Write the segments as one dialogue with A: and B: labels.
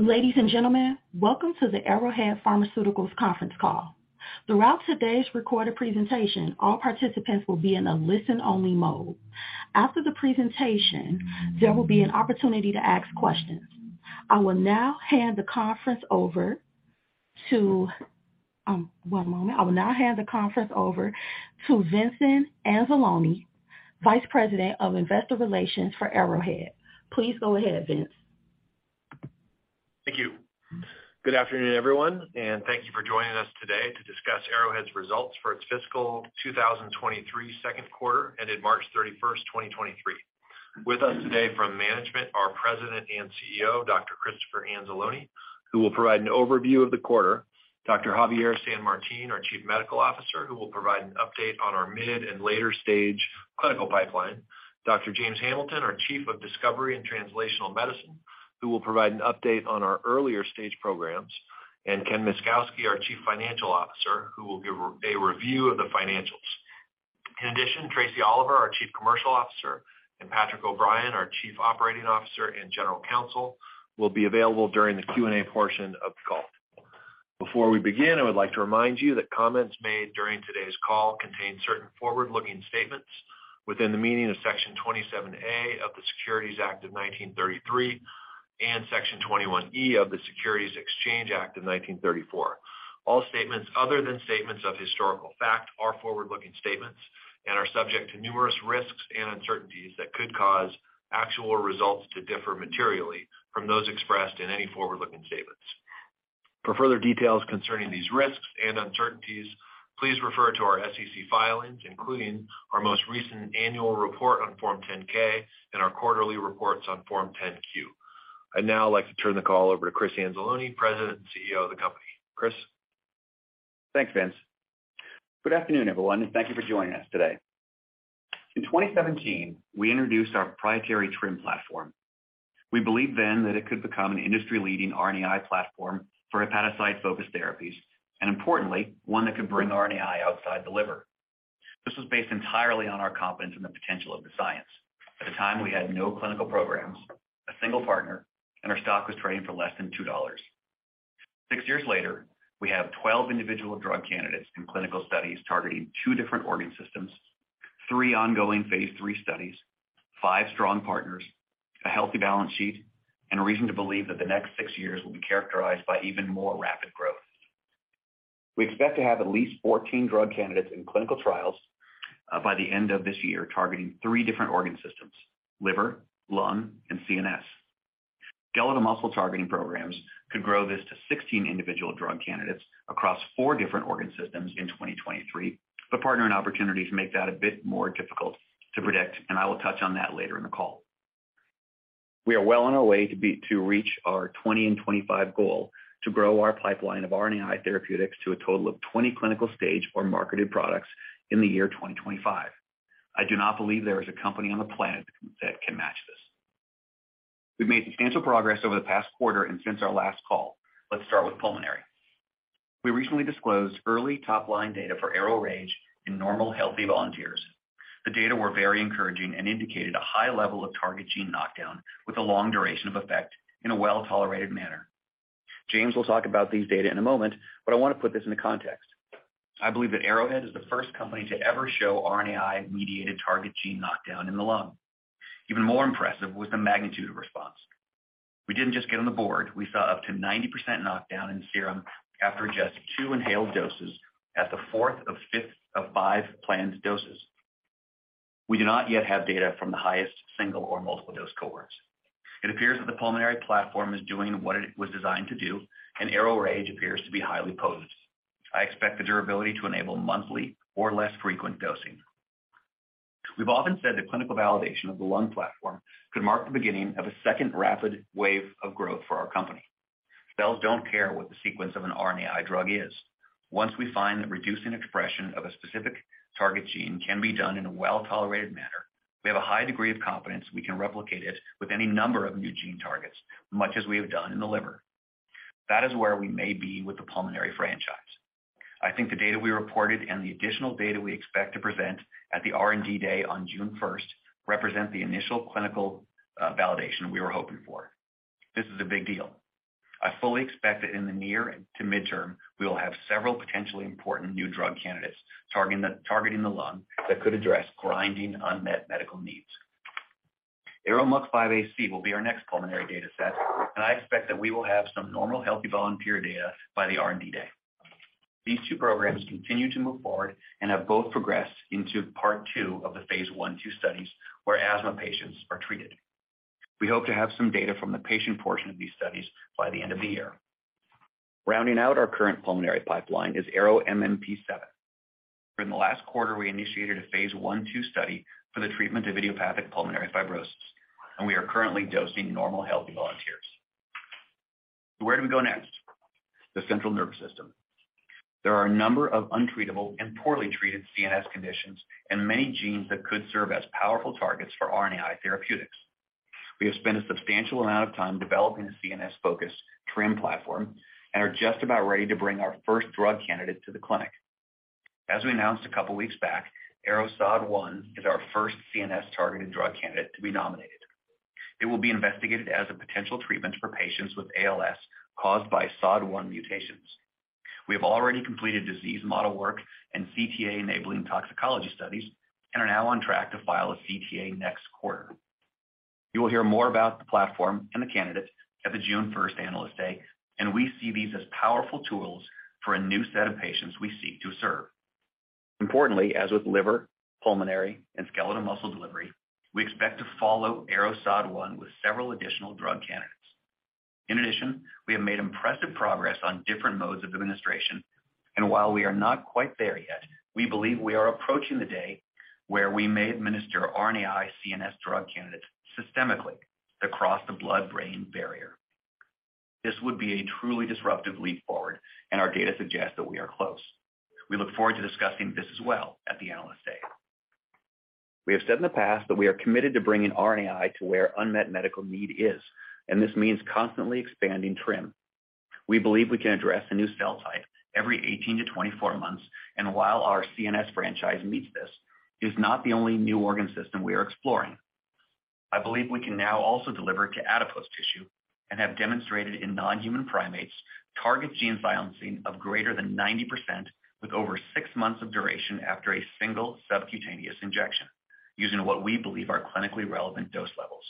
A: Ladies and gentlemen, welcome to the Arrowhead Pharmaceuticals Conference Call. Throughout today's recorded presentation, all participants will be in a listen-only mode. After the presentation, there will be an opportunity to ask questions. I will now hand the conference over to One moment. I will now hand the conference over to Vincent Anzalone, Vice President of Investor Relations for Arrowhead. Please go ahead, Vince.
B: Thank you. Good afternoon, everyone, thank you for joining us today to discuss Arrowhead's results for its fiscal 2023 second quarter ended March 31st, 2023. With us today from management, our President and CEO, Dr. Christopher Anzalone, who will provide an overview of the quarter, Dr. Javier San Martin, our Chief Medical Officer, who will provide an update on our mid and later-stage clinical pipeline, Dr. James Hamilton, our Chief of Discovery and Translational Medicine, who will provide an update on our earlier stage programs, and Ken Myszkowski, our Chief Financial Officer, who will give a review of the financials. In addition, Tracie Oliver, our Chief Commercial Officer, and Patrick O'Brien, our Chief Operating Officer and General Counsel, will be available during the Q&A portion of the call. Before we begin, I would like to remind you that comments made during today's call contain certain forward-looking statements within the meaning of Section 27A of the Securities Act of 1933 and Section 21E of the Securities Exchange Act of 1934. All statements other than statements of historical fact are forward-looking statements and are subject to numerous risks and uncertainties that could cause actual results to differ materially from those expressed in any forward-looking statements. For further details concerning these risks and uncertainties, please refer to our SEC filings, including our most recent annual report on Form 10-K and our quarterly reports on Form 10-Q. I'd now like to turn the call over to Chris Anzalone, President and CEO of the company. Chris.
C: Thanks, Vince. Good afternoon, everyone, and thank you for joining us today. In 2017, we introduced our proprietary TRiM platform. We believed then that it could become an industry-leading RNAi platform for hepatocyte-focused therapies, and importantly, one that could bring RNAi outside the liver. This was based entirely on our confidence in the potential of the science. At the time, we had no clinical programs, a single partner, and our stock was trading for less than $2. Six years later, we have 12 individual drug candidates in clinical studies targeting two different organ systems, three ongoing phase III studies, five strong partners, a healthy balance sheet, and a reason to believe that the next six years will be characterized by even more rapid growth. We expect to have at least 14 drug candidates in clinical trials by the end of this year, targeting three different organ systems: liver, lung, and CNS. Skeletal muscle targeting programs could grow this to 16 individual drug candidates across four different organ systems in 2023, but partnering opportunities make that a bit more difficult to predict, and I will touch on that later in the call. We are well on our way to reach our 20 and 25 goal to grow our pipeline of RNAi therapeutics to a total of 20 clinical stage or marketed products in the year 2025. I do not believe there is a company on the planet that can match this. We've made substantial progress over the past quarter and since our last call. Let's start with pulmonary. We recently disclosed early top-line data for ARO-RAGE in normal healthy volunteers. The data were very encouraging and indicated a high level of target gene knockdown with a long duration of effect in a well-tolerated manner. James will talk about these data in a moment. I want to put this into context. I believe that Arrowhead is the first company to ever show RNAi-mediated target gene knockdown in the lung. Even more impressive was the magnitude of response. We didn't just get on the board. We saw up to 90% knockdown in serum after just two inhaled doses at the fourth of fifth of five planned doses. We do not yet have data from the highest single or multiple dose cohorts. It appears that the pulmonary platform is doing what it was designed to do. ARO-RAGE appears to be highly potent. I expect the durability to enable monthly or less frequent dosing. We've often said the clinical validation of the lung platform could mark the beginning of a second rapid wave of growth for our company. Cells don't care what the sequence of an RNAi drug is. Once we find that reducing expression of a specific target gene can be done in a well-tolerated manner, we have a high degree of confidence we can replicate it with any number of new gene targets, much as we have done in the liver. That is where we may be with the pulmonary franchise. I think the data we reported and the additional data we expect to present at the R&D Day on June first represent the initial clinical validation we were hoping for. This is a big deal. I fully expect that in the near to midterm, we will have several potentially important new drug candidates targeting the lung that could address grinding unmet medical needs. ARO-MUC5AC will be our next pulmonary dataset, and I expect that we will have some normal healthy volunteer data by the R&D Day. These 2 programs continue to move forward and have both progressed into part 2 of the phase I/II studies where asthma patients are treated. We hope to have some data from the patient portion of these studies by the end of the year. Rounding out our current pulmonary pipeline is ARO-MMP7. During the last quarter, we initiated a phase I/II study for the treatment of idiopathic pulmonary fibrosis, and we are currently dosing normal healthy volunteers. Where do we go next? The central nervous system. There are a number of untreatable and poorly treated CNS conditions and many genes that could serve as powerful targets for RNAi therapeutics. We have spent a substantial amount of time developing a CNS-focused TRiM platform and are just about ready to bring our first drug candidate to the clinic. As we announced a couple weeks back, ARO-SOD1 is our first CNS-targeted drug candidate to be nominated. It will be investigated as a potential treatment for patients with ALS caused by SOD1 mutations. We have already completed disease model work and CTA-enabling toxicology studies and are now on track to file a CTA next quarter. You will hear more about the platform and the candidates at the June first Analyst Day. We see these as powerful tools for a new set of patients we seek to serve. Importantly, as with liver, pulmonary, and skeletal muscle delivery, we expect to follow ARO-SOD1 with several additional drug candidates. In addition, we have made impressive progress on different modes of administration, and while we are not quite there yet, we believe we are approaching the day where we may administer RNAi CNS drug candidates systemically across the blood-brain barrier. This would be a truly disruptive leap forward, and our data suggests that we are close. We look forward to discussing this as well at the Analyst Day. We have said in the past that we are committed to bringing RNAi to where unmet medical need is, and this means constantly expanding TRiM. We believe we can address a new cell type every 18 to 24 months, and while our CNS franchise meets this, it is not the only new organ system we are exploring. I believe we can now also deliver to adipose tissue and have demonstrated in non-human primates target gene silencing of greater than 90% with over six months of duration after a single subcutaneous injection using what we believe are clinically relevant dose levels.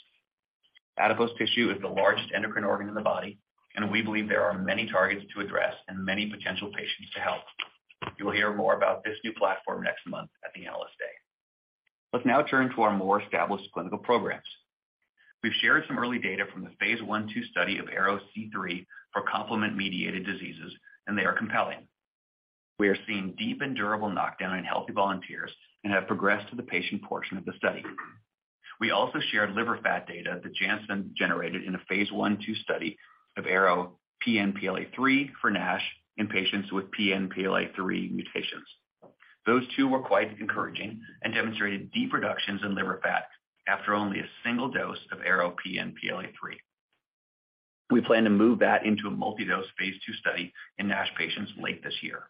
C: Adipose tissue is the largest endocrine organ in the body, and we believe there are many targets to address and many potential patients to help. You will hear more about this new platform next month at the Analyst Day. Let's now turn to our more established clinical programs. We've shared some early data from the phase I/II study of ARO-C3 for complement-mediated diseases, and they are compelling. We are seeing deep and durable knockdown in healthy volunteers and have progressed to the patient portion of the study. We also shared liver fat data that Janssen generated in a phase I/II study of Arrow PNPLA3 for NASH in patients with PNPLA3 mutations. Those two were quite encouraging and demonstrated deep reductions in liver fat after only a single dose of Arrow PNPLA3. We plan to move that into a multi-dose phase II study in NASH patients late this year.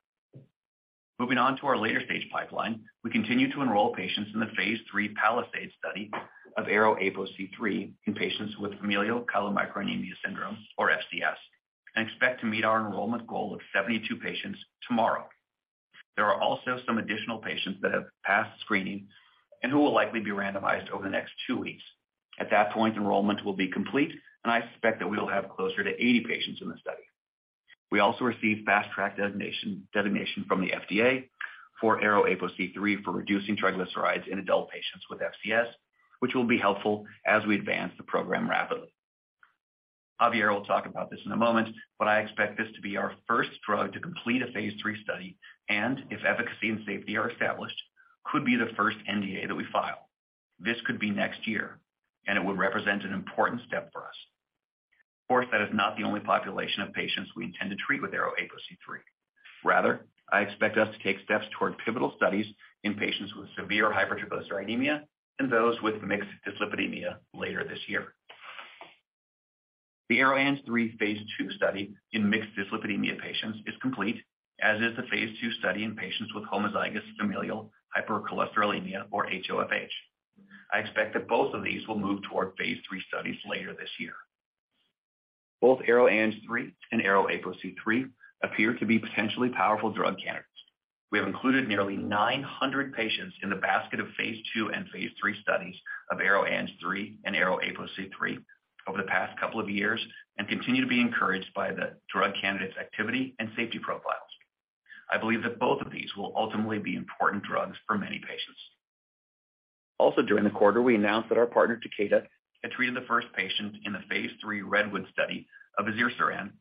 C: Moving on to our later-stage pipeline, we continue to enroll patients in the phase III PALISADE study of Arrow APOC3 in patients with familial chylomicronemia syndrome, or FCS, and expect to meet our enrollment goal of 72 patients tomorrow. There are also some additional patients that have passed screening and who will likely be randomized over the next two weeks. At that point, enrollment will be complete, and I expect that we will have closer to 80 patients in the study. We also received Fast Track designation from the FDA for ARO-APOC3 for reducing triglycerides in adult patients with FCS, which will be helpful as we advance the program rapidly. Javier will talk about this in a moment. I expect this to be our first drug to complete a phase III study and, if efficacy and safety are established, could be the first NDA that we file. This could be next year. It would represent an important step for us. That is not the only population of patients we intend to treat with ARO-APOC3. I expect us to take steps toward pivotal studies in patients with severe hypertriglyceridemia and those with mixed dyslipidemia later this year. The ARO-ANG3 phase II study in mixed dyslipidemia patients is complete, as is the phase II study in patients with homozygous familial hypercholesterolemia, or HoFH. I expect that both of these will move toward phase III studies later this year. Both ARO-ANG3 and ARO-APOC3 appear to be potentially powerful drug candidates. We have included nearly 900 patients in the basket of phase II and phase III studies of ARO-ANG3 and ARO-APOC3 over the past couple of years and continue to be encouraged by the drug candidates' activity and safety profiles. I believe that both of these will ultimately be important drugs for many patients. During the quarter, we announced that our partner, Takeda, had treated the first patient in the phase III REDWOOD study of Fazirsiran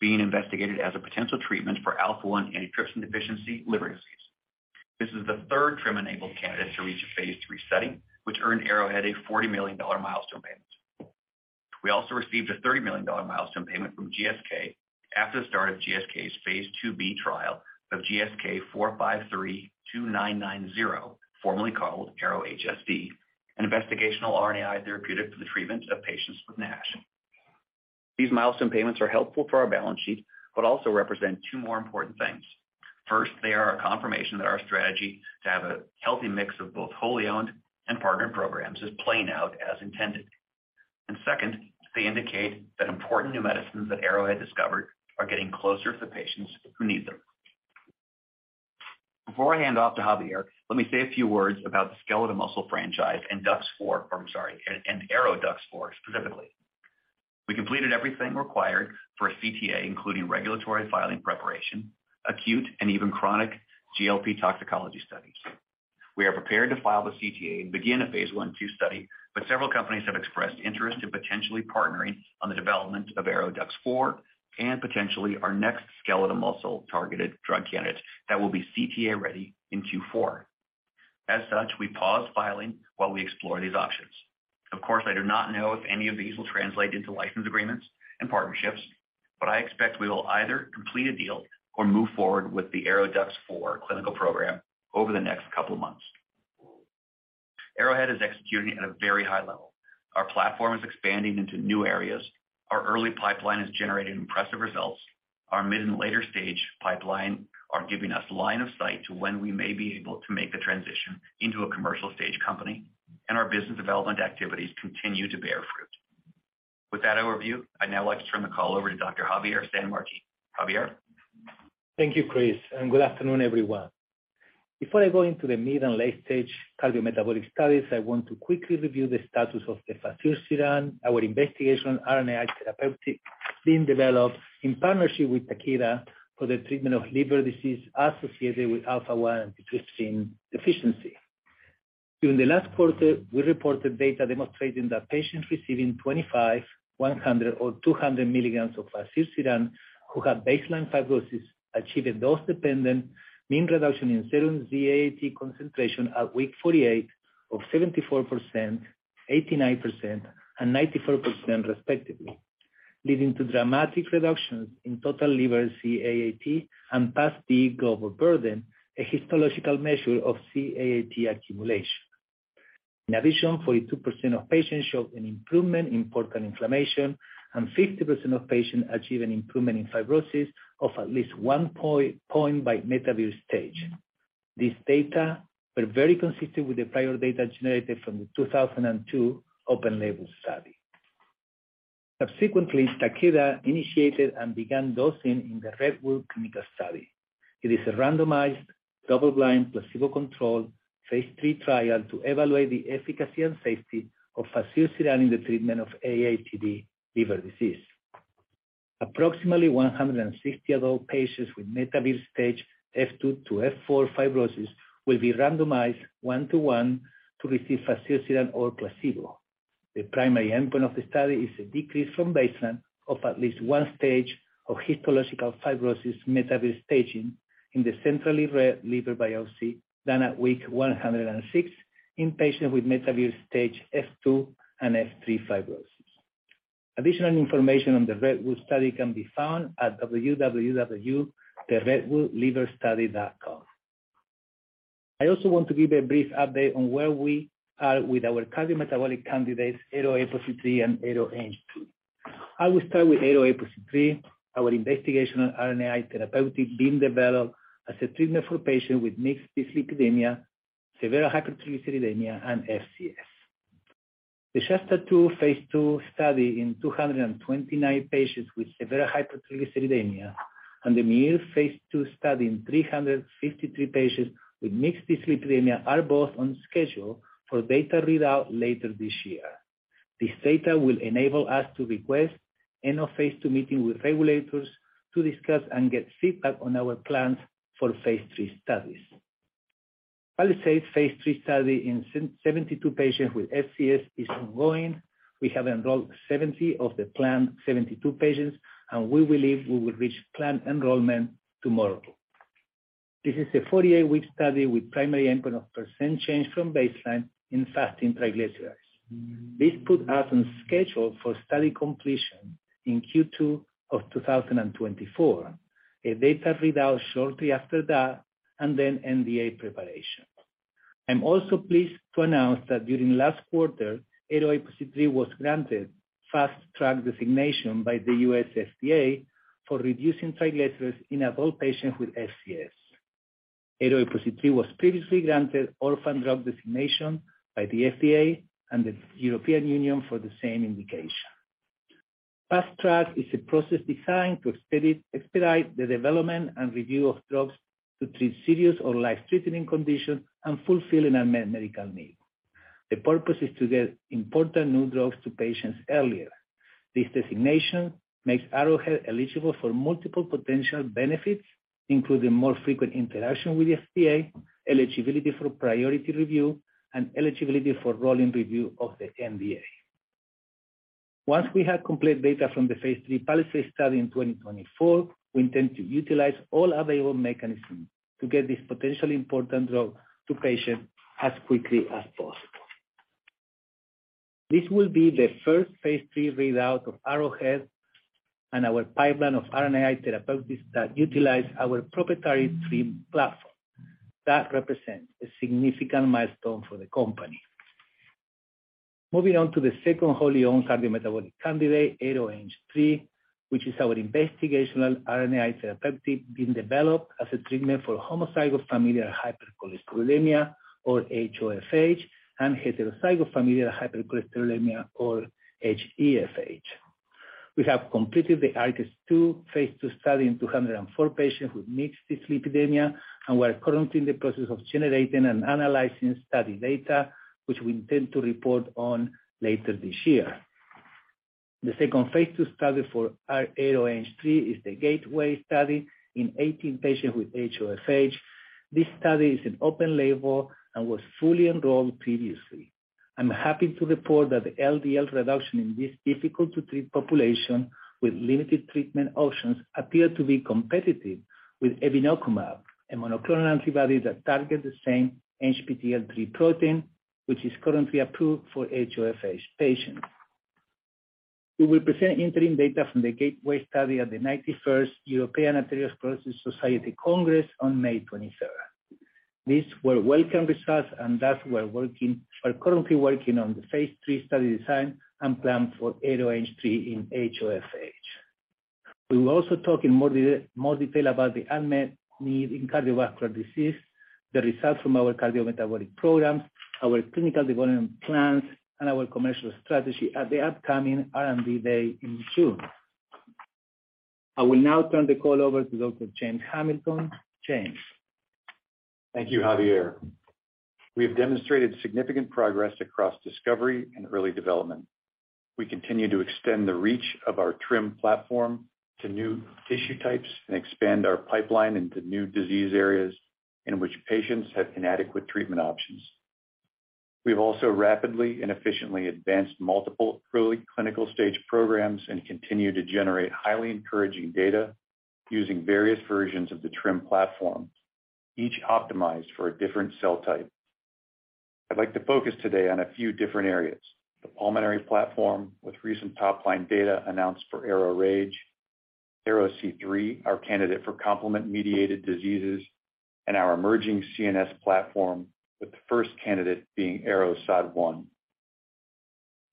C: being investigated as a potential treatment for alpha-1 antitrypsin deficiency liver disease. This is the third TRiM-enabled candidate to reach a phase III setting, which earned Arrowhead a $40 million milestone payment. We also received a $30 million milestone payment from GSK after the start of GSK's phase II-B trial of GSK4532990, formerly called ARO-HSD, an investigational RNAi therapeutic for the treatment of patients with NASH. These milestone payments are helpful for our balance sheet also represent two more important things. First, they are a confirmation that our strategy to have a healthy mix of both wholly owned and partnered programs is playing out as intended. Second, they indicate that important new medicines that Arrowhead discovered are getting closer to the patients who need them. Before I hand off to Javier, let me say a few words about the skeletal muscle franchise and DUX4 or I'm sorry, and ARO-DUX4 specifically. We completed everything required for a CTA, including regulatory filing preparation, acute and even chronic GLP toxicology studies. We are prepared to file the CTA and begin a phase I/II study, but several companies have expressed interest in potentially partnering on the development of ARO-DUX4 and potentially our next skeletal muscle-targeted drug candidate that will be CTA-ready in Q4. As such, we paused filing while we explore these options. Of course, I do not know if any of these will translate into license agreements and partnerships, but I expect we will either complete a deal or move forward with the ARO-DUX4 clinical program over the next couple of months. Arrowhead is executing at a very high level. Our platform is expanding into new areas. Our early pipeline is generating impressive results. Our mid and later stage pipeline are giving us line of sight to when we may be able to make the transition into a commercial stage company, and our business development activities continue to bear fruit. With that overview, I'd now like to turn the call over to Dr. Javier San Martin. Javier.
D: Thank you, Chris, and good afternoon, everyone. Before I go into the mid and late-stage cardiometabolic studies, I want to quickly review the status of Fazirsiran, our investigational RNAi therapeutic being developed in partnership with Takeda for the treatment of liver disease associated with alpha-1 antitrypsin deficiency. During the last quarter, we reported data demonstrating that patients receiving 25, 100 or 200 mg of Fazirsiran who had baseline fibrosis achieved a dose-dependent mean reduction in serum Z-AAT concentration at week 48 of 74%, 89% and 94% respectively, leading to dramatic reductions in total liver Z-AAT and PASD global burden, a histological measure of Z-AAT accumulation. In addition, 42% of patients showed an improvement in portal inflammation, and 50% of patients achieved an improvement in fibrosis of at least 1 point by METAVIR stage. These data were very consistent with the prior data generated from the 2002 open label study. Takeda initiated and began dosing in the REDWOOD clinical study. It is a randomized, double-blind, placebo-controlled phase III trial to evaluate the efficacy and safety of Fazirsiran in the treatment of AATD liver disease. Approximately 160 adult patients with METAVIR stage F2 to F4 fibrosis will be randomized 1 to 1 to receive Fazirsiran or placebo. The primary endpoint of the study is a decrease from baseline of at least 1 stage of histological fibrosis METAVIR staging in the central liver biopsy done at week 106 in patients with METAVIR stage F2 and F3 fibrosis. Additional information on the REDWOOD study can be found at www.theredwoodliverstudy.com. I also want to give a brief update on where we are with our cardiometabolic candidates, ARO-APOC3 and ARO-ANG3. I will start with ARO-APOC3, our investigational RNAi therapeutic being developed as a treatment for patients with mixed dyslipidemia, severe hypertriglyceridemia, and FCS. The SHASTA-2 phase II study in 229 patients with severe hypertriglyceridemia and the MUIR phase II study in 353 patients with mixed dyslipidemia are both on schedule for data readout later this year. This data will enable us to request end of phase II meeting with regulators to discuss and get feedback on our plans for phase III studies. PALISADE phase III study in 72 patients with FCS is ongoing. We have enrolled 70 of the planned 72 patients, we believe we will reach planned enrollment tomorrow. This is a 48-week study with primary endpoint of % change from baseline in fasting triglycerides. This put us on schedule for study completion in Q2 of 2024. A data readout shortly after that and then NDA preparation. I'm also pleased to announce that during last quarter, ARO-APOC3 was granted Fast Track designation by the U.S. FDA for reducing triglycerides in adult patients with FCS. ARO-APOC3 was previously granted Orphan Drug Designation by the FDA and the European Union for the same indication. Fast Track is a process designed to expedite the development and review of drugs to treat serious or life-threatening conditions and fulfilling a medical need. The purpose is to get important new drugs to patients earlier. This designation makes Arrowhead eligible for multiple potential benefits, including more frequent interaction with the FDA, eligibility for priority review, and eligibility for rolling review of the NDA. Once we have complete data from the phase III PALISADE study in 2024, we intend to utilize all available mechanisms to get this potentially important drug to patients as quickly as possible. This will be the first phase III readout of Arrowhead and our pipeline of RNAi therapeutics that utilize our proprietary TRiM platform. That represents a significant milestone for the company. Moving on to the second wholly-owned cardiometabolic candidate, ARO-ANG3, which is our investigational RNAi therapeutic being developed as a treatment for homozygous familial hypercholesterolemia or HoFH and heterozygous familial hypercholesterolemia or HeFH. We have completed the ARCHES-2 phase II study in 204 patients with mixed dyslipidemia. We're currently in the process of generating and analyzing study data, which we intend to report on later this year. The second phase II study for our ARO-ANG3 is the GATEWAY study in 18 patients with HoFH. This study is an open label and was fully enrolled previously. I'm happy to report that the LDL reduction in this difficult-to-treat population with limited treatment options appeared to be competitive with evinacumab, a monoclonal antibody that targets the same ANGPTL3 protein, which is currently approved for HoFH patients. We will present interim data from the GATEWAY study at the 91st European Atherosclerosis Society Congress on May 27th. These were welcome results, thus we're currently working on the phase III study design and plan for ARO-ANG3 in HoFH. We will also talk in more detail about the unmet need in cardiovascular disease, the results from our cardiometabolic programs, our clinical development plans, and our commercial strategy at the upcoming R&D Day in June. I will now turn the call over to Dr. James Hamilton. James.
E: Thank you, Javier. We have demonstrated significant progress across discovery and early development. We continue to extend the reach of our TRiM platform to new tissue types and expand our pipeline into new disease areas in which patients have inadequate treatment options. We've also rapidly and efficiently advanced multiple early clinical stage programs and continue to generate highly encouraging data using various versions of the TRiM platform, each optimized for a different cell type. I'd like to focus today on a few different areas. The pulmonary platform with recent top-line data announced for ARO-RAGE, ARO-C3, our candidate for complement-mediated diseases, and our emerging CNS platform, with the first candidate being ARO-SOD1.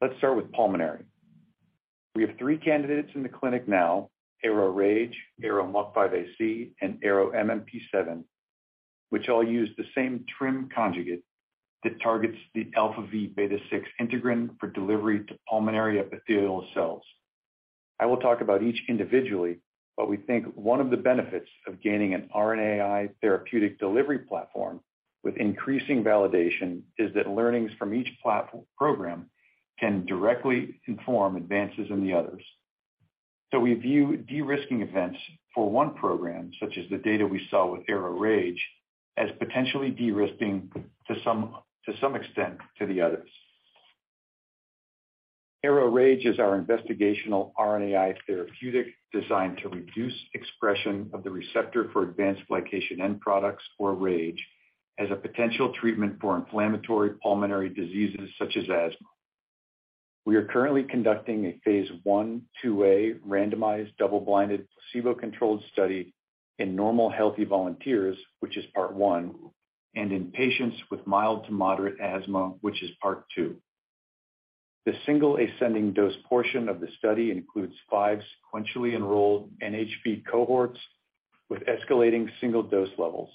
E: Let's start with pulmonary. We have three candidates in the clinic now, ARO-RAGE, ARO-MUC5AC, and ARO-MMP7, which all use the same TRiM conjugate that targets the αvβ6 integrin for delivery to pulmonary epithelial cells. I will talk about each individually, but we think one of the benefits of gaining an RNAi therapeutic delivery platform with increasing validation is that learnings from each platform program can directly inform advances in the others. We view de-risking events for one program, such as the data we saw with ARO-RAGE, as potentially de-risking to some extent to the others. ARO-RAGE is our investigational RNAi therapeutic designed to reduce expression of the receptor for advanced glycation end products, or RAGE, as a potential treatment for inflammatory pulmonary diseases, such as asthma. We are currently conducting a phase I/II-A randomized double-blinded placebo-controlled study in normal healthy volunteers, which is part 1, and in patients with mild to moderate asthma, which is part 2. The single ascending dose portion of the study includes five sequentially enrolled NHP cohorts with escalating single-dose levels.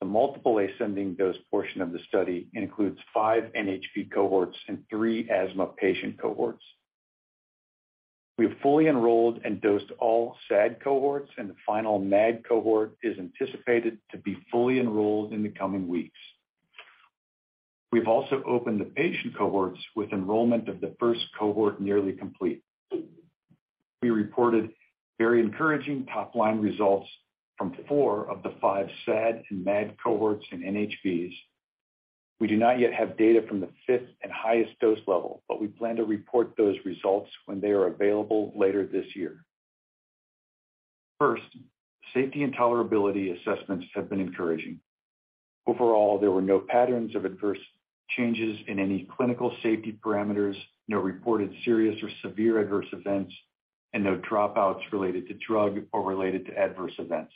E: The multiple ascending dose portion of the study includes five NHP cohorts and three asthma patient cohorts. We have fully enrolled and dosed all SAD cohorts. The final MAD cohort is anticipated to be fully enrolled in the coming weeks. We've also opened the patient cohorts with enrollment of the first cohort nearly complete. We reported very encouraging top-line results from four of the five SAD and MAD cohorts in NHPs. We do not yet have data from the fifth and highest dose level. We plan to report those results when they are available later this year. First, safety and tolerability assessments have been encouraging. Overall, there were no patterns of adverse changes in any clinical safety parameters, no reported serious or severe adverse events, and no dropouts related to drug or related to adverse events.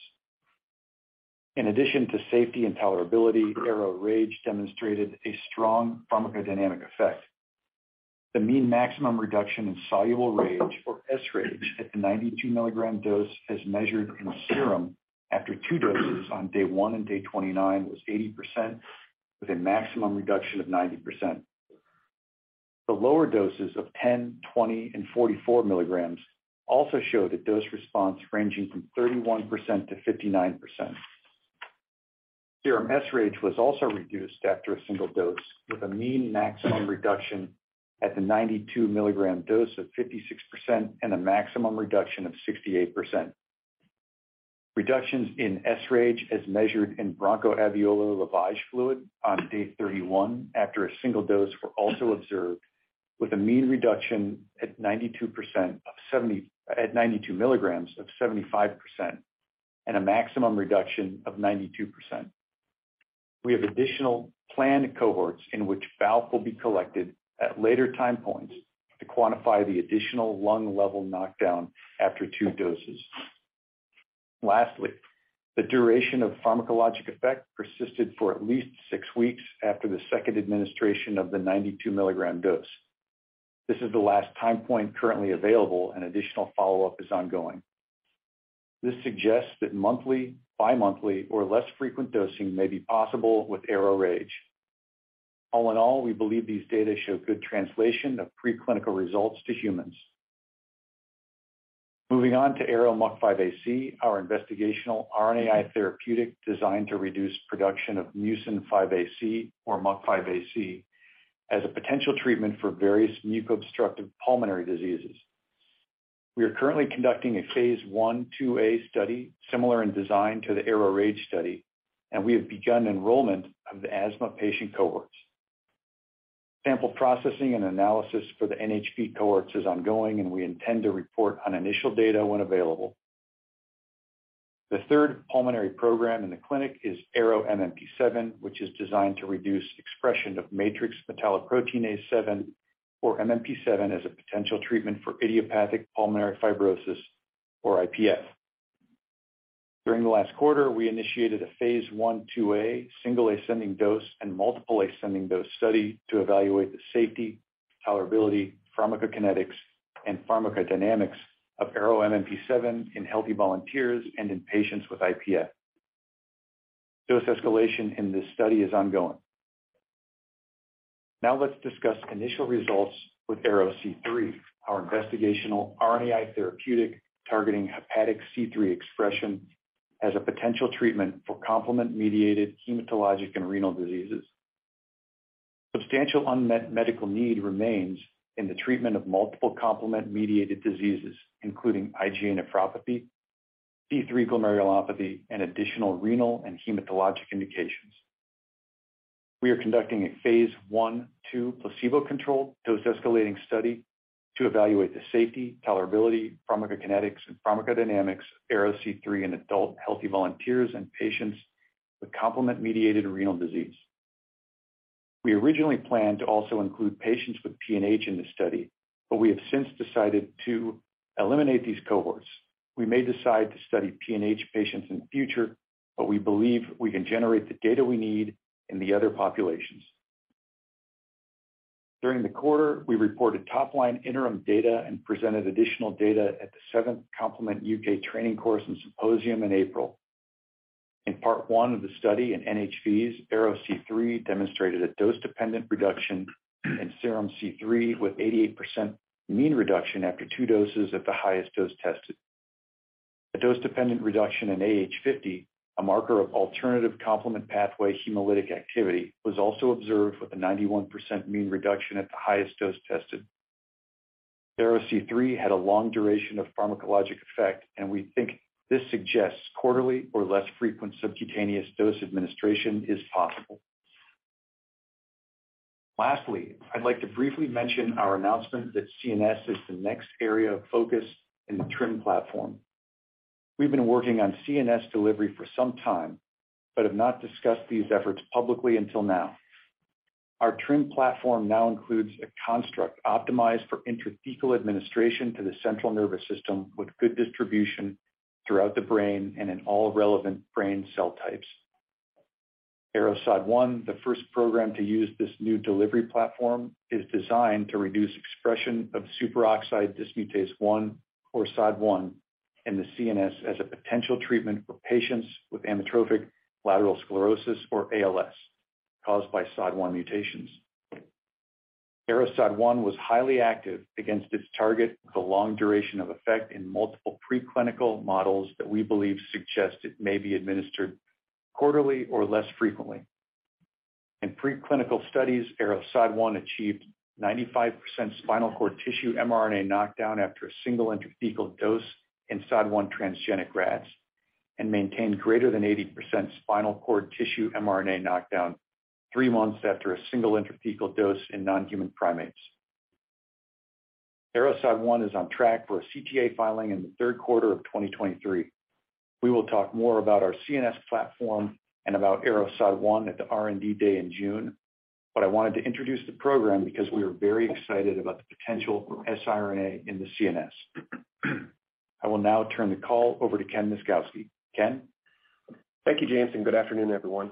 E: In addition to safety and tolerability, ARO-RAGE demonstrated a strong pharmacodynamic effect. The mean maximum reduction in soluble RAGE or sRAGE at the 92 mg dose as measured in serum after two doses on day one and day 29 was 80% with a maximum reduction of 90%. The lower doses of 10, 20, and 44 mg also show the dose response ranging from 31% to 59%. Serum sRAGE was also reduced after a single dose with a mean maximum reduction at the 92 mg dose of 56% and a maximum reduction of 68%. Reductions in sRAGE as measured in bronchoalveolar lavage fluid on day 31 after a single dose were also observed with a mean reduction at 92 mg of 75% and a maximum reduction of 92%. We have additional planned cohorts in which BALF will be collected at later time points to quantify the additional lung level knockdown after two doses. Lastly, the duration of pharmacologic effect persisted for at least six weeks after the second administration of the 92 mg dose. This is the last time point currently available, and additional follow-up is ongoing. This suggests that monthly, bi-monthly or less frequent dosing may be possible with ARO-RAGE. All in all, we believe these data show good translation of preclinical results to humans. Moving on to ARO-MUC5AC, our investigational RNAi therapeutic designed to reduce production of mucin five AC or MUC5AC as a potential treatment for various muco-obstructive pulmonary diseases. We are currently conducting a phase I/2a study similar in design to the ARO-RAGE study, and we have begun enrollment of the asthma patient cohorts. Sample processing and analysis for the NHP cohorts is ongoing, and we intend to report on initial data when available. The third pulmonary program in the clinic is ARO-MMP7, which is designed to reduce expression of matrix metalloproteinase 7 or MMP7 as a potential treatment for idiopathic pulmonary fibrosis or IPF. During the last quarter, we initiated a phase I/II-A single ascending dose and multiple ascending dose study to evaluate the safety, tolerability, pharmacokinetics, and pharmacodynamics of ARO-MMP7 in healthy volunteers and in patients with IPF. Dose escalation in this study is ongoing. Let's discuss initial results with ARO-C3, our investigational RNAi therapeutic targeting hepatic C3 expression as a potential treatment for complement-mediated hematologic and renal diseases. Substantial unmet medical need remains in the treatment of multiple complement-mediated diseases, including IgA nephropathy, C3 glomerulopathy, and additional renal and hematologic indications. We are conducting a phase I/II placebo-controlled dose escalating study to evaluate the safety, tolerability, pharmacokinetics, and pharmacodynamics of ARO-C3 in adult healthy volunteers and patients with complement-mediated kidney disease. We originally planned to also include patients with PNH in this study, we have since decided to eliminate these cohorts. We may decide to study PNH patients in the future, we believe we can generate the data we need in the other populations. During the quarter, we reported top-line interim data and presented additional data at the seventh Complement UK Training Course and Symposium in April. In part 1 of the study in NHVs, ARO-C3 demonstrated a dose-dependent reduction in serum C3 with 88% mean reduction after 2 doses at the highest dose tested. A dose-dependent reduction in AH50, a marker of alternative complement pathway hemolytic activity, was also observed with a 91% mean reduction at the highest dose tested. ARO-C3 had a long duration of pharmacologic effect. We think this suggests quarterly or less frequent subcutaneous dose administration is possible. Lastly, I'd like to briefly mention our announcement that CNS is the next area of focus in the TRiM platform. We've been working on CNS delivery for some time. Have not discussed these efforts publicly until now. Our TRiM platform now includes a construct optimized for intrathecal administration to the central nervous system with good distribution throughout the brain and in all relevant brain cell types. ARO-SOD1, the first program to use this new delivery platform, is designed to reduce expression of superoxide dismutase 1 or SOD1 in the CNS as a potential treatment for patients with amyotrophic lateral sclerosis or ALS caused by SOD1 mutations. ARO-SOD1 was highly active against its target with a long duration of effect in multiple preclinical models that we believe suggest it may be administered quarterly or less frequently. In preclinical studies, ARO-SOD1 achieved 95% spinal cord tissue mRNA knockdown after a single intrathecal dose in SOD1 transgenic rats and maintained greater than 80% spinal cord tissue mRNA knockdown three months after a single intrathecal dose in non-human primates. ARO-SOD1 is on track for a CTA filing in the third quarter of 2023. We will talk more about our CNS platform and about ARO-SOD1 at the R&D Day in June. I wanted to introduce the program because we are very excited about the potential for siRNA in the CNS. I will now turn the call over to Ken Myszkowski. Ken.
F: Thank you, James, and good afternoon, everyone.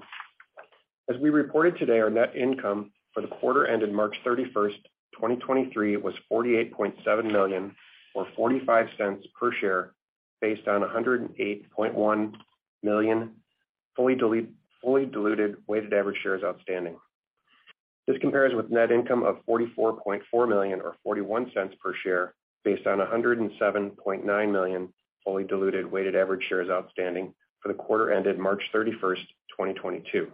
F: As we reported today, our net income for the quarter ended March 31st, 2023, was $48.7 million or $0.45 per share based on 108.1 million fully diluted weighted average shares outstanding. This compares with net income of $44.4 million or $0.41 per share based on 107.9 million fully diluted weighted average shares outstanding for the quarter ended March 31, 2022.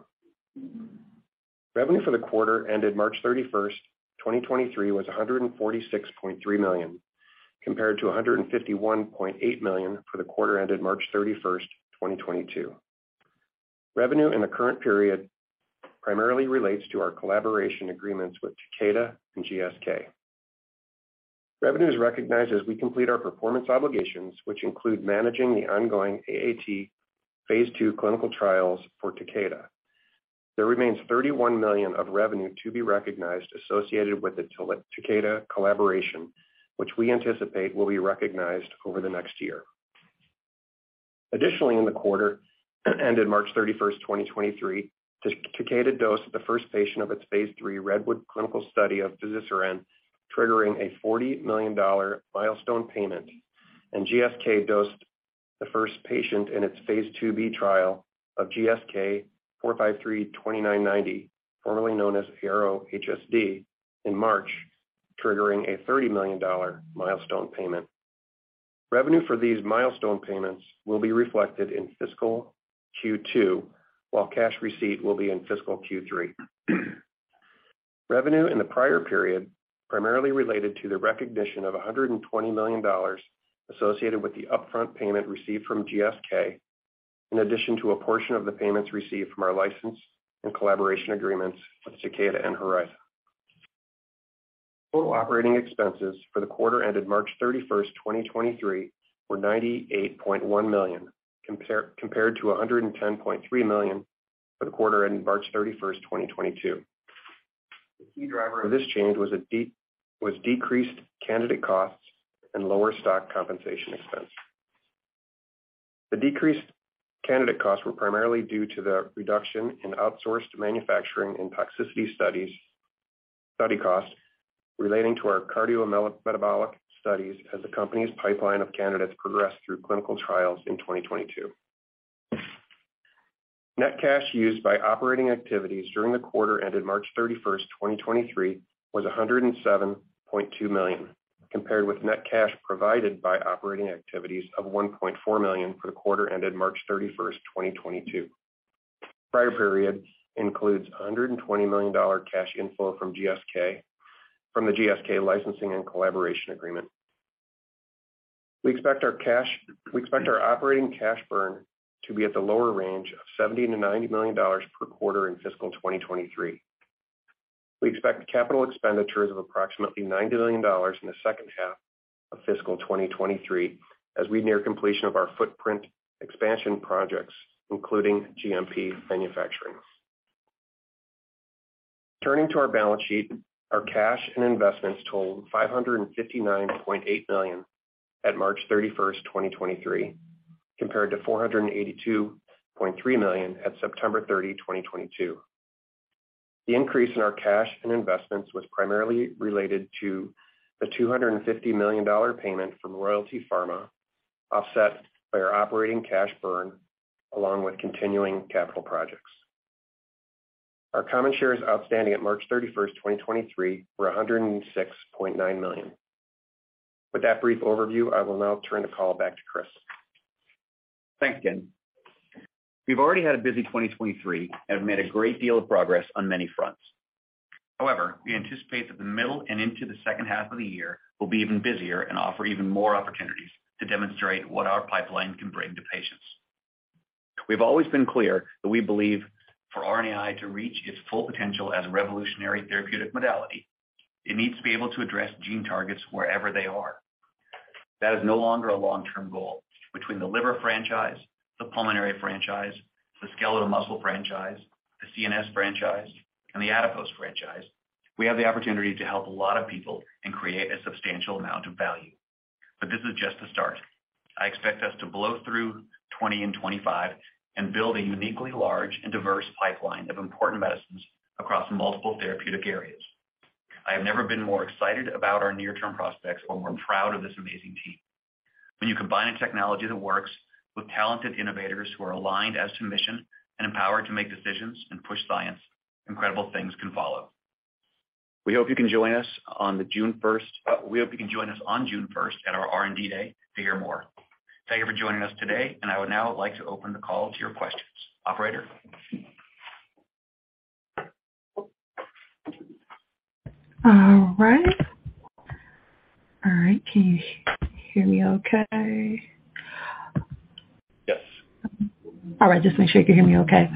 F: Revenue for the quarter ended March 31, 2023, was $146.3 million, compared to $151.8 million for the quarter ended March 31st, 2022. Revenue in the current period primarily relates to our collaboration agreements with Takeda and GSK. Revenue is recognized as we complete our performance obligations, which include managing the ongoing AATD phase II clinical trials for Takeda. There remains $31 million of revenue to be recognized associated with the Takeda collaboration, which we anticipate will be recognized over the next year. Additionally, in the quarter ended March 31st, 2023, Takeda dosed the first patient of its phase III REDWOOD clinical study of Fazirsiran, triggering a $40 million milestone payment, and GSK dosed the first patient in its phase IIb trial of GSK4532990, formerly known as ARO-HSD, in March, triggering a $30 million milestone payment. Revenue for these milestone payments will be reflected in fiscal Q2, while cash receipt will be in fiscal Q3. Revenue in the prior period primarily related to the recognition of $120 million associated with the upfront payment received from GSK, in addition to a portion of the payments received from our license and collaboration agreements with Takeda and Horizon. Total operating expenses for the quarter ended March 31st, 2023 were $98.1 million, compared to $110.3 million for the quarter ending March 31st, 2022. The key driver of this change was decreased candidate costs and lower stock compensation expense. The decreased candidate costs were primarily due to the reduction in outsourced manufacturing and toxicity studies, study costs relating to our cardiometabolic studies as the company's pipeline of candidates progressed through clinical trials in 2022. Net cash used by operating activities during the quarter ended March 31st, 2023 was $107.2 million, compared with net cash provided by operating activities of $1.4 million for the quarter ended March 31st, 2022. Prior period includes a $120 million cash inflow from GSK, from the GSK licensing and collaboration agreement. We expect our operating cash burn to be at the lower range of $70 million-$90 million per quarter in fiscal 2023. We expect capital expenditures of approximately $90 million in the second half of fiscal 2023 as we near completion of our footprint expansion projects, including GMP manufacturing. Turning to our balance sheet, our cash and investments totaled $559.8 million at March 31st, 2023, compared to $482.3 million at September 30, 2022. The increase in our cash and investments was primarily related to the $250 million payment from Royalty Pharma, offset by our operating cash burn along with continuing capital projects. Our common shares outstanding at March 31st, 2023 were 106.9 million. With that brief overview, I will now turn the call back to Chris.
C: Thanks, Ken. We've already had a busy 2023 and have made a great deal of progress on many fronts. We anticipate that the middle and into the second half of the year will be even busier and offer even more opportunities to demonstrate what our pipeline can bring to patients. We've always been clear that we believe for RNAi to reach its full potential as a revolutionary therapeutic modality, it needs to be able to address gene targets wherever they are. That is no longer a long-term goal. Between the liver franchise, the pulmonary franchise, the skeletal muscle franchise, the CNS franchise, and the adipose franchise, we have the opportunity to help a lot of people and create a substantial amount of value. This is just the start. I expect us to blow through 20 and 25 and build a uniquely large and diverse pipeline of important medicines across multiple therapeutic areas. I have never been more excited about our near-term prospects or more proud of this amazing team. When you combine a technology that works with talented innovators who are aligned as to mission and empowered to make decisions and push science, incredible things can follow. We hope you can join us on June first at our R&D Day to hear more. Thank you for joining us today, and I would now like to open the call to your questions. Operator?
A: All right. Can you hear me okay?
C: Yes.
A: All right. Just making sure you can hear me okay.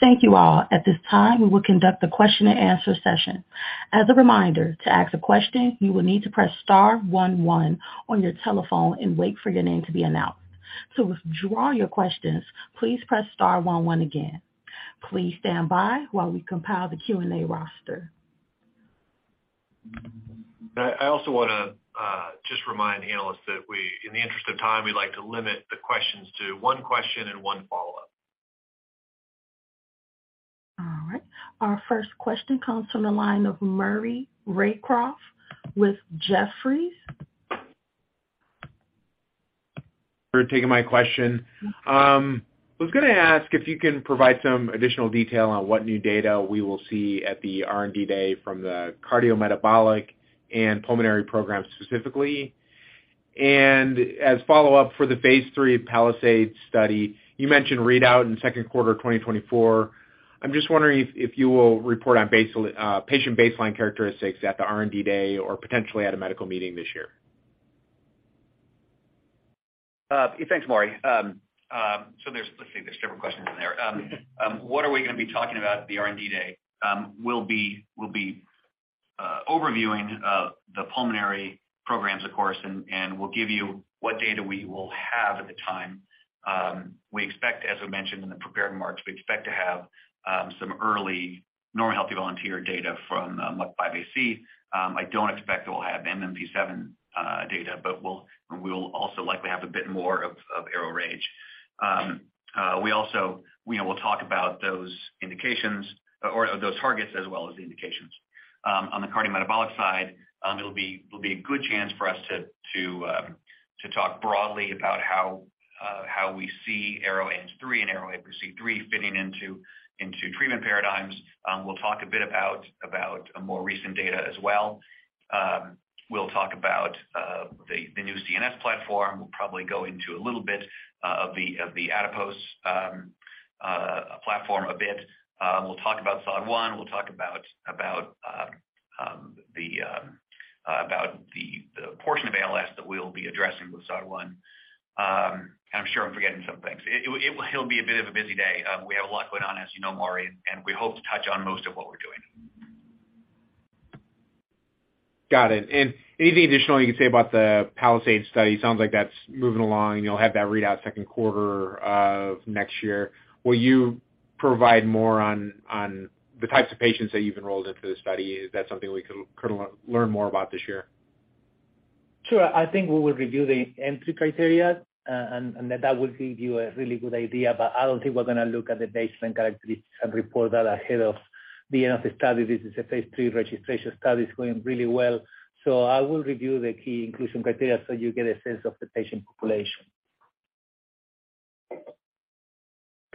A: Thank you, all. At this time, we will conduct a question and answer session. As a reminder, to ask a question, you will need to press star one one on your telephone and wait for your name to be announced. To withdraw your questions, please press star one one again. Please stand by while we compile the Q&A roster.
C: I also wanna just remind the analysts that in the interest of time, we like to limit the questions to one question and one follow-up.
A: All right. Our first question comes from the line of Maury Raycroft with Jefferies.
G: For taking my question. I was gonna ask if you can provide some additional detail on what new data we will see at the R&D Day from the cardiometabolic and pulmonary programs specifically. As follow-up for the phase III PALISADE study, you mentioned readout in second quarter 2024. I'm just wondering if you will report on patient baseline characteristics at the R&D Day or potentially at a medical meeting this year.
C: Thanks, Maury. There's, let's see, there's several questions in there. What are we gonna be talking about at the R&D Day? We'll be overviewing the pulmonary programs, of course, and we'll give you what data we will have at the time. We expect, as I mentioned in the prepared remarks, we expect to have some early normal healthy volunteer data from MUC5AC. I don't expect that we'll have MMP7 data, but we'll, and we'll also likely have a bit more of ARO-RAGE. We also, we know we'll talk about those indications or those targets as well as the indications. On the cardiometabolic side, it'll be a good chance for us to talk broadly about how we see ARO-ANG3 and ARO-APOC3 fitting into treatment paradigms. We'll talk a bit about more recent data as well. We'll talk about the new CNS platform. We'll probably go into a little bit of the adipose platform a bit. We'll talk about SOD1, we'll talk about the portion of ALS that we'll be addressing with SOD1. I'm sure I'm forgetting some things. It'll be a bit of a busy day. We have a lot going on, as you know, Maury, and we hope to touch on most of what we're doing.
G: Got it. Anything additional you can say about the PALISADE study? Sounds like that's moving along, and you'll have that readout second quarter of next year. Will you provide more on the types of patients that you've enrolled into the study? Is that something we can learn more about this year?
D: Sure. I think we will review the entry criteria, and that will give you a really good idea. I don't think we're gonna look at the baseline characteristics and report that ahead of the end of the study. This is a phase III registration study. It's going really well. I will review the key inclusion criteria so you get a sense of the patient population.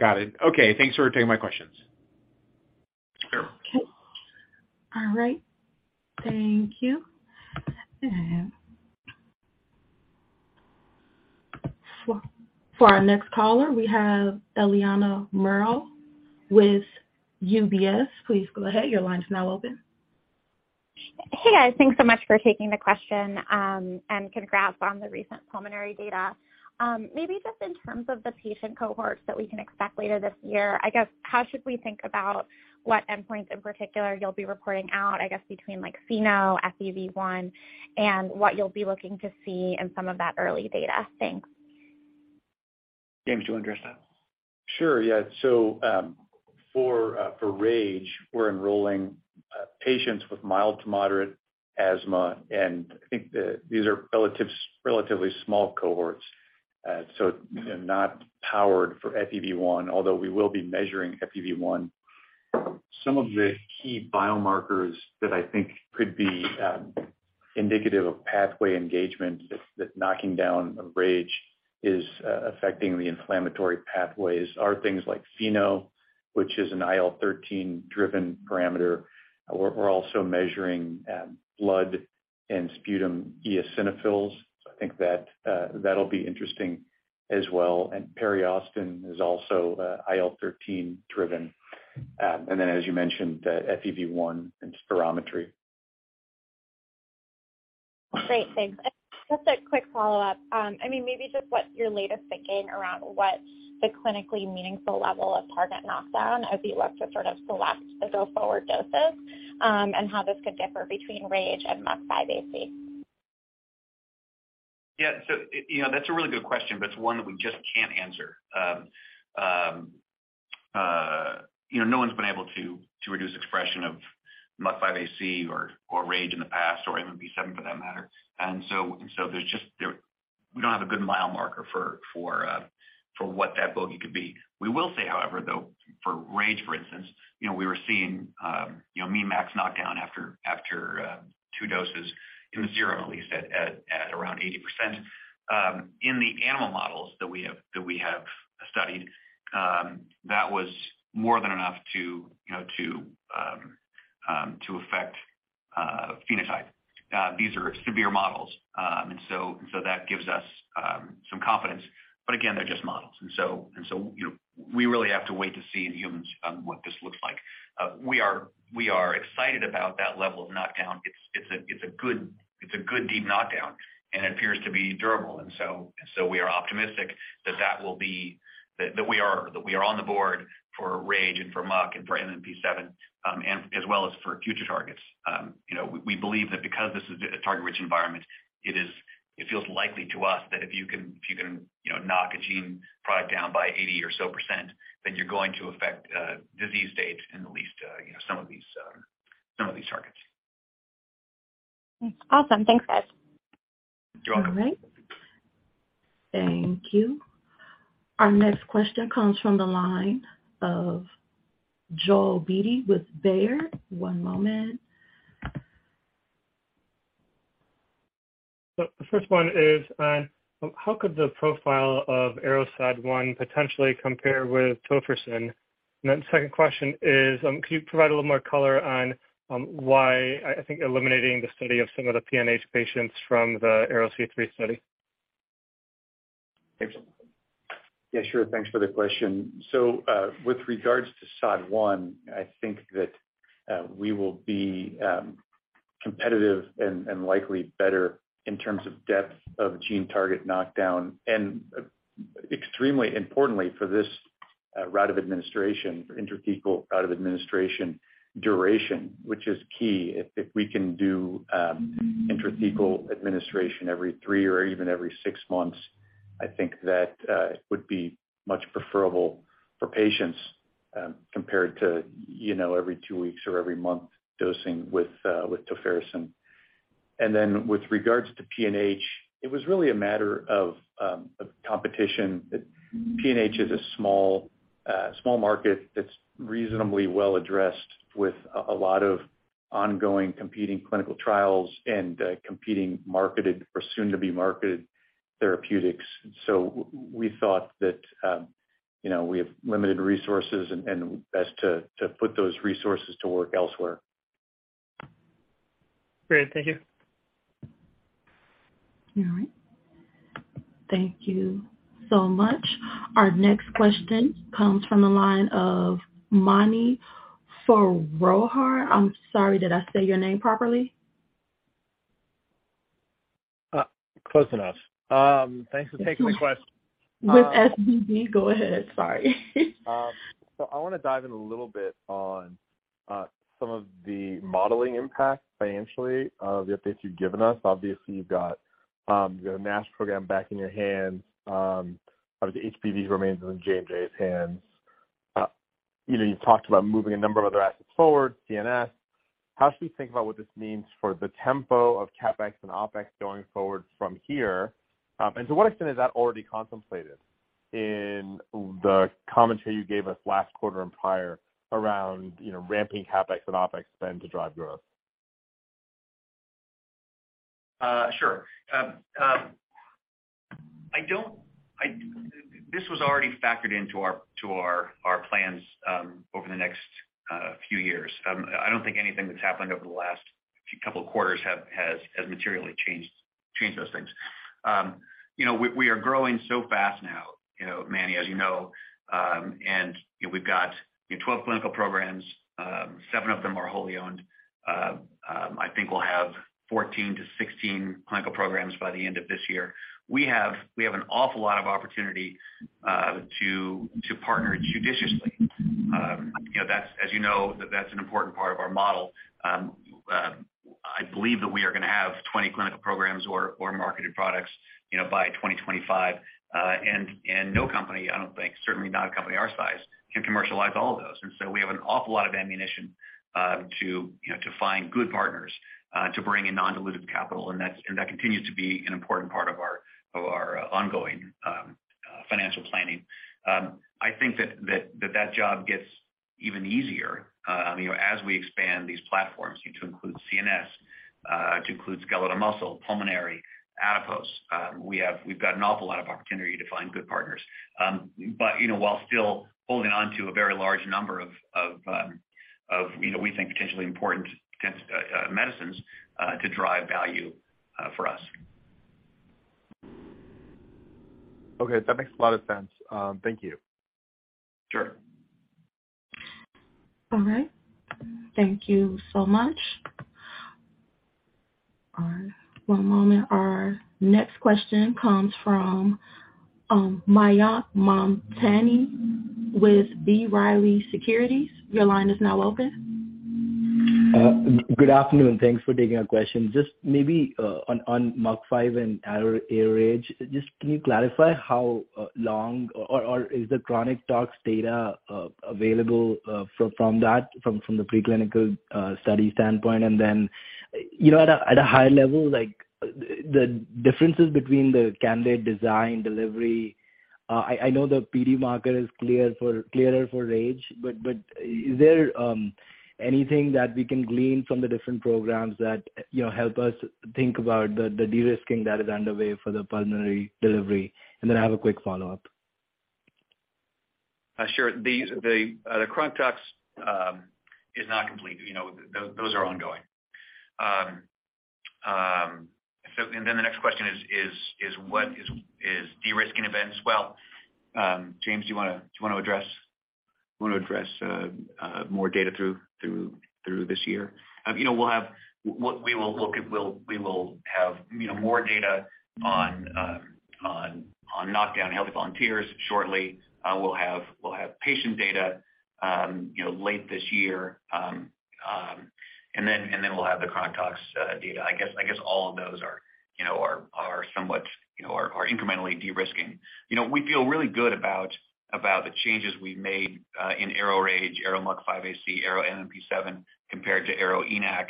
G: Got it. Okay. Thanks for taking my questions.
C: Sure.
A: Okay. All right. Thank you. For our next caller, we have Eliana Merle with UBS. Please go ahead. Your line is now open.
H: Hey, guys. Thanks so much for taking the question, congrats on the recent pulmonary data. Maybe just in terms of the patient cohorts that we can expect later this year, I guess, how should we think about what endpoints in particular you'll be reporting out, I guess, between like FeNO, FEV1, and what you'll be looking to see in some of that early data? Thanks.
C: James, do you wanna address that?
E: Sure, yeah. For RAGE, we're enrolling patients with mild to moderate asthma, and I think the these are relatively small cohorts. They're not powered for FEV1, although we will be measuring FEV1. Some of the key biomarkers that I think could be indicative of pathway engagement, that knocking down of RAGE is affecting the inflammatory pathways are things like FeNO, which is an IL-13 driven parameter. We're also measuring blood and sputum eosinophils. I think that'll be interesting as well. Periostin is also IL-13 driven. As you mentioned, the FEV1 and spirometry.
H: Great. Thanks. Just a quick follow-up. I mean, maybe just what your latest thinking around what the clinically meaningful level of target knockdown as you look to sort of select the go-forward doses, and how this could differ between RAGE and MUC5AC?
C: Yeah. You know, that's a really good question, but it's one that we just can't answer. You know, no one's been able to reduce expression of MUC5AC or RAGE in the past, or MMP7 for that matter. there's just. We don't have a good biomarker for what that bogey could be. We will say, however, though, for RAGE, for instance, you know, we were seeing mean max knockdown after two doses in the serum, at least at around 80%. In the animal models that we have studied, that was more than enough to, you know, to affect phenotype. These are severe models. That gives us some confidence, but again, they're just models. You know, we really have to wait to see in humans what this looks like. We are excited about that level of knockdown. It's a good deep knockdown, and it appears to be durable. We are optimistic that we are on the board for RAGE and for MUC and for MMP7, and as well as for future targets. You know, we believe that because this is a target-rich environment, it feels likely to us that if you can, you know, knock a gene product down by 80% or so, then you're going to affect disease stage in at least, you know, some of these, some of these targets.
H: Awesome. Thanks, guys.
C: You're welcome.
A: All right. Thank you. Our next question comes from the line of Joel Beatty with Baird. One moment.
I: The first one is on, how could the profile of ARO-SOD1 potentially compare with tofersen? Second question is, can you provide a little more color on, why I think eliminating the study of some of the PNH patients from the ARO-C03 study?
C: Thanks.
E: Yeah, sure. Thanks for the question. With regards to SOD1, I think that we will be competitive and likely better in terms of depth of gene target knockdown and extremely importantly for this route of administration, for intrathecal route of administration duration, which is key if we can do intrathecal administration every three or even every six months. I think that would be much preferable for patients, you know, compared to every two weeks or every month dosing with tofersen. With regards to PNH, it was really a matter of competition. PNH is a small market that's reasonably well addressed with a lot of ongoing competing clinical trials and competing marketed or soon to be marketed therapeutics. We thought that, you know, we have limited resources and best to put those resources to work elsewhere.
I: Great. Thank you.
A: All right. Thank you so much. Our next question comes from the line of Mani Foroohar. I'm sorry, did I say your name properly?
J: Close enough. Thanks for taking my question.
A: With SVB. Go ahead. Sorry.
J: I wanna dive in a little bit on some of the modeling impact financially of the updates you've given us. Obviously, you've got a NASH program back in your hands, the HBV remains in J&J's hands. You know, you've talked about moving a number of other assets forward, CNS. How should we think about what this means for the tempo of CapEx and OpEx going forward from here? To what extent is that already contemplated in the commentary you gave us last quarter and prior around, you know, ramping CapEx and OpEx spend to drive growth?
C: Sure. This was already factored into our, to our plans over the next few years. I don't think anything that's happened over the last few couple of quarters has materially changed those things. You know, we are growing so fast now, you know, Mani, as you know, and, you know, we've got, you know, 12 clinical programs, seven of them are wholly owned. I think we'll have 14-16 clinical programs by the end of this year. We have an awful lot of opportunity to partner judiciously. You know, that's as you know, that's an important part of our model. I believe that we are gonna have 20 clinical programs or marketed products, you know, by 2025. And no company, I don't think, certainly not a company our size, can commercialize all of those. We have an awful lot of ammunition to, you know, to find good partners to bring in non-dilutive capital. That continues to be an important part of our ongoing financial planning. I think that job gets even easier, you know, as we expand these platforms to include CNS, to include skeletal muscle, pulmonary, adipose. We've got an awful lot of opportunity to find good partners. You know, while still holding on to a very large number of, you know, we think potentially important medicines to drive value for us.
J: Okay. That makes a lot of sense. Thank you.
C: Sure.
A: All right. Thank you so much. All right. One moment. Our next question comes from Mayank Mamtani with B. Riley Securities. Your line is now open.
K: Good afternoon. Thanks for taking our question. Just maybe on MUC5 and ARO-RAGE, just can you clarify how long or is the chronic tox data available from that, from the preclinical study standpoint? You know, at a, at a high level, like, the differences between the candidate design delivery, I know the PD marker is clearer for RAGE. Is there anything that we can glean from the different programs that, you know, help us think about the de-risking that is underway for the pulmonary delivery? I have a quick follow-up.
C: Sure. The chronic tox is not complete. You know, those are ongoing. The next question is what is de-risking events? Well, James, do you wanna address? Wanna address, more data through this year.
E: You know, we will have, you know, more data on knockdown healthy volunteers shortly. We'll have patient data, you know, late this year. Then we'll have the chronic tox data. I guess all of those are, you know, somewhat, you know, incrementally de-risking. You know, we feel really good about the changes we've made in ARO-RAGE, ARO-MUC5AC, ARO-MMP7 compared to ARO-ENaC,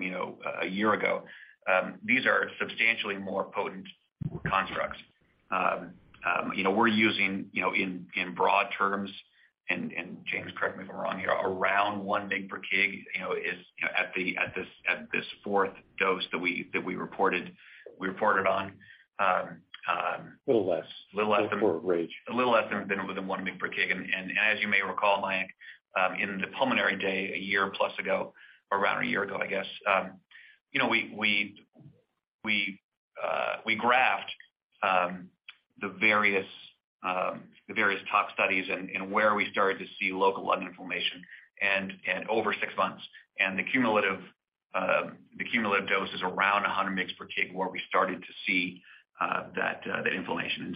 E: you know, a year ago. These are substantially more potent constructs. You know, we're using, you know, in broad terms, and James, correct me if I'm wrong here, around 1 mg per kg, you know, is at this fourth dose that we reported on.
C: A little less.
E: A little less.
C: For RAGE.
E: A little less than 1 mgs per kg. As you may recall, Mayank, in the pulmonary day 1+ year ago or around 1 year ago, I guess, we graphed the various tox studies and where we started to see local lung inflammation and over six months. The cumulative dose is around 100 mgs per kg, where we started to see that the inflammation.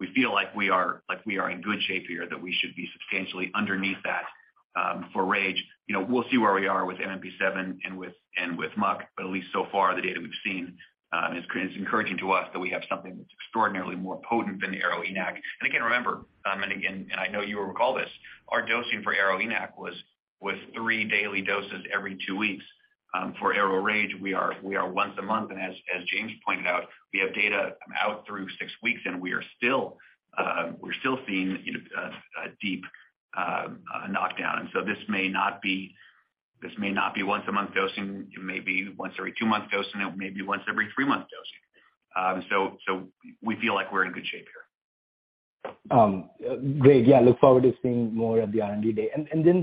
E: We feel like we are in good shape here, that we should be substantially underneath that for RAGE.
C: You know, we'll see where we are with MMP7 and with MUC5AC, but at least so far the data we've seen is encouraging to us that we have something that's extraordinarily more potent than the ARO-ENaC. Again, remember, and again, and I know you'll recall this, our dosing for ARO-ENaC was three daily doses every two weeks. For ARO-RAGE, we are once a month. As James pointed out, we have data out through six weeks and we're still seeing, you know, a deep knockdown. So this may not be once a month dosing, it may be once every two month dosing, it may be once every three month dosing. So we feel like we're in good shape here.
K: Great. Yeah, look forward to seeing more at the R&D day.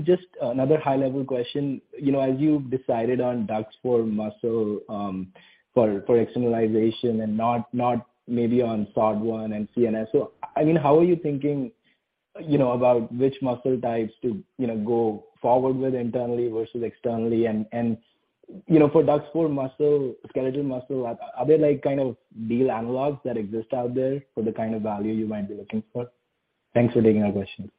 K: Just another high level question. You know, as you decided on DUX4 muscle for externalization and not maybe on SOD1 and CNS. I mean, how are you thinking, you know, about which muscle types to, you know, go forward with internally versus externally? You know, for DUX4 muscle, skeletal muscle, are there like kind of deal analogs that exist out there for the kind of value you might be looking for? Thanks for taking our questions.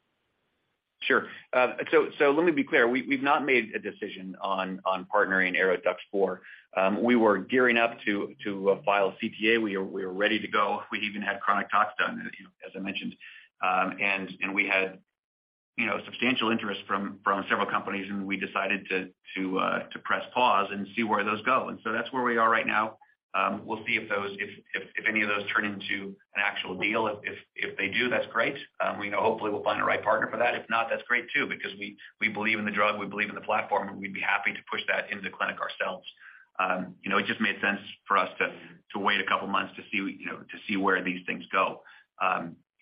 C: Sure. Let me be clear. We've not made a decision on partnering ARO-DUX4. We were gearing up to file a CTA. We are ready to go. We even had chronic tox done, you know, as I mentioned. We had, you know, substantial interest from several companies and we decided to press pause and see where those go. That's where we are right now. We'll see if those, if any of those turn into an actual deal. If they do, that's great. We know hopefully we'll find the right partner for that. If not, that's great too, because we believe in the drug, we believe in the platform, and we'd be happy to push that into clinic ourselves. You know, it just made sense for us to wait a couple of months to see, you know, to see where these things go.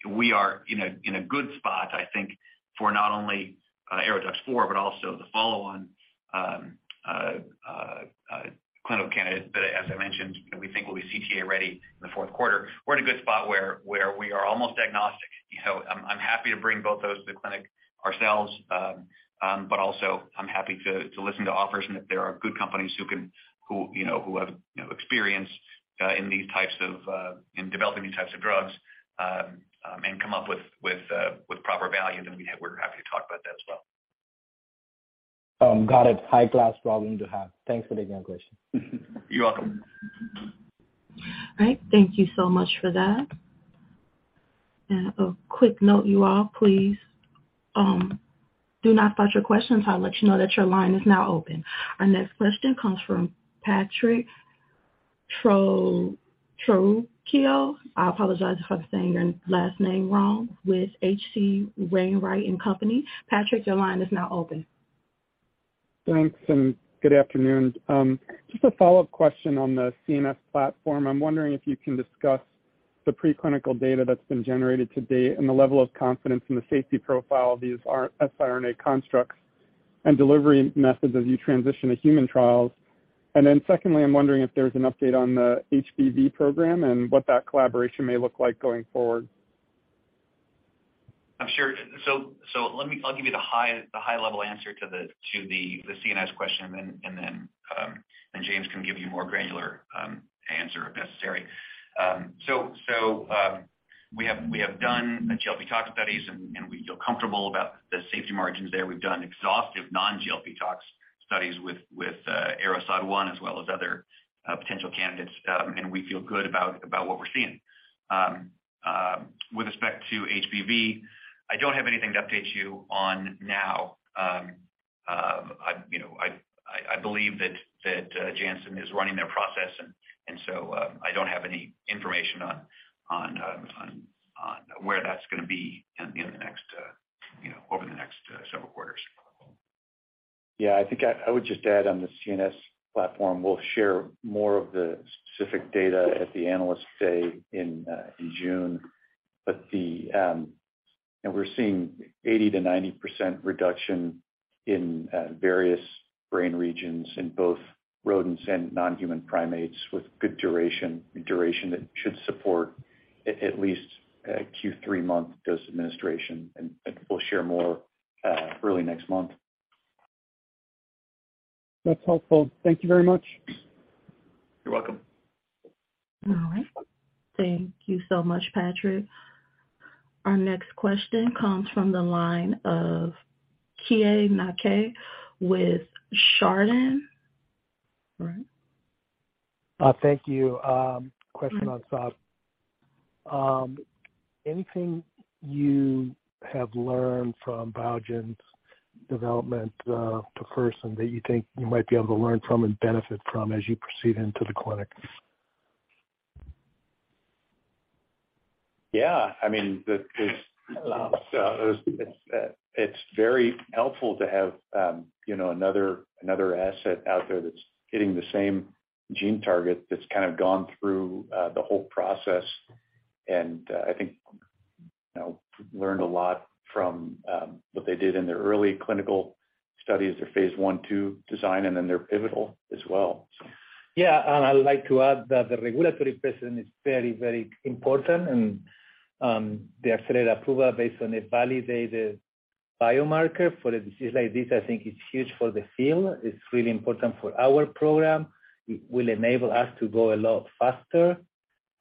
C: We are in a good spot, I think, for not only ARO-DUX4, but also the follow-on clinical candidates that as I mentioned, you know, we think will be CTA ready in the fourth quarter. We're in a good spot where we are almost agnostic. You know, I'm happy to bring both those to the clinic ourselves. Also I'm happy to listen to offers and if there are good companies who can, you know, who have, you know, experience, in these types of, in developing these types of drugs, and come up with proper value, then we're happy to talk about that as well.
K: Got it. High-class problem to have. Thanks for taking our question.
C: You're welcome.
A: All right. Thank you so much for that. A quick note you all, please, do not start your questions until I let you know that your line is now open. Our next question comes from Patrick Trucchio. I apologize if I'm saying your last name wrong, with H.C. Wainwright & Co.. Patrick, your line is now open.
L: Thanks, and good afternoon. Just a follow-up question on the CNS platform. I'm wondering if you can discuss the preclinical data that's been generated to date and the level of confidence in the safety profile of these siRNA constructs and delivery methods as you transition to human trials. Secondly, I'm wondering if there's an update on the HBV program and what that collaboration may look like going forward.
C: Sure. Let me I'll give you the high level answer to the CNS question and then James can give you more granular answer if necessary. We have done the GLP tox studies and we feel comfortable about the safety margins there. We've done exhaustive non GLP tox studies with ARO-SOD1 as well as other potential candidates, and we feel good about what we're seeing. With respect to HBV, I don't have anything to update you on now. I, you know, I believe that Janssen is running their process and so, I don't have any information on where that's gonna be in, you know, the next, you know, over the next, several quarters.
E: Yeah. I think I would just add on the CNS platform, we'll share more of the specific data at the Analyst Day in June. We're seeing 80%-90% reduction in various brain regions in both rodents and non-human primates with good duration that should support at least a Q3-month dose administration. We'll share more early next month.
L: That's helpful. Thank you very much.
C: You're welcome.
A: All right. Thank you so much, Patrick. Our next question comes from the line of Keay Nakae with Chardan. Right.
M: Thank you. Question on SOD. Anything you have learned from Biogen's development, tofersen that you think you might be able to learn from and benefit from as you proceed into the clinic?
C: Yeah. I mean, this, it's very helpful to have, you know, another asset out there that's hitting the same gene target that's kind of gone through the whole process. I think, you know, learned a lot from what they did in their early clinical studies, their phase I/II design, and then their pivotal as well.
D: I would like to add that the regulatory precedent is very, very important, and the accelerated approval based on a validated biomarker for a disease like this, I think it's huge for the field. It's really important for our program. It will enable us to go a lot faster.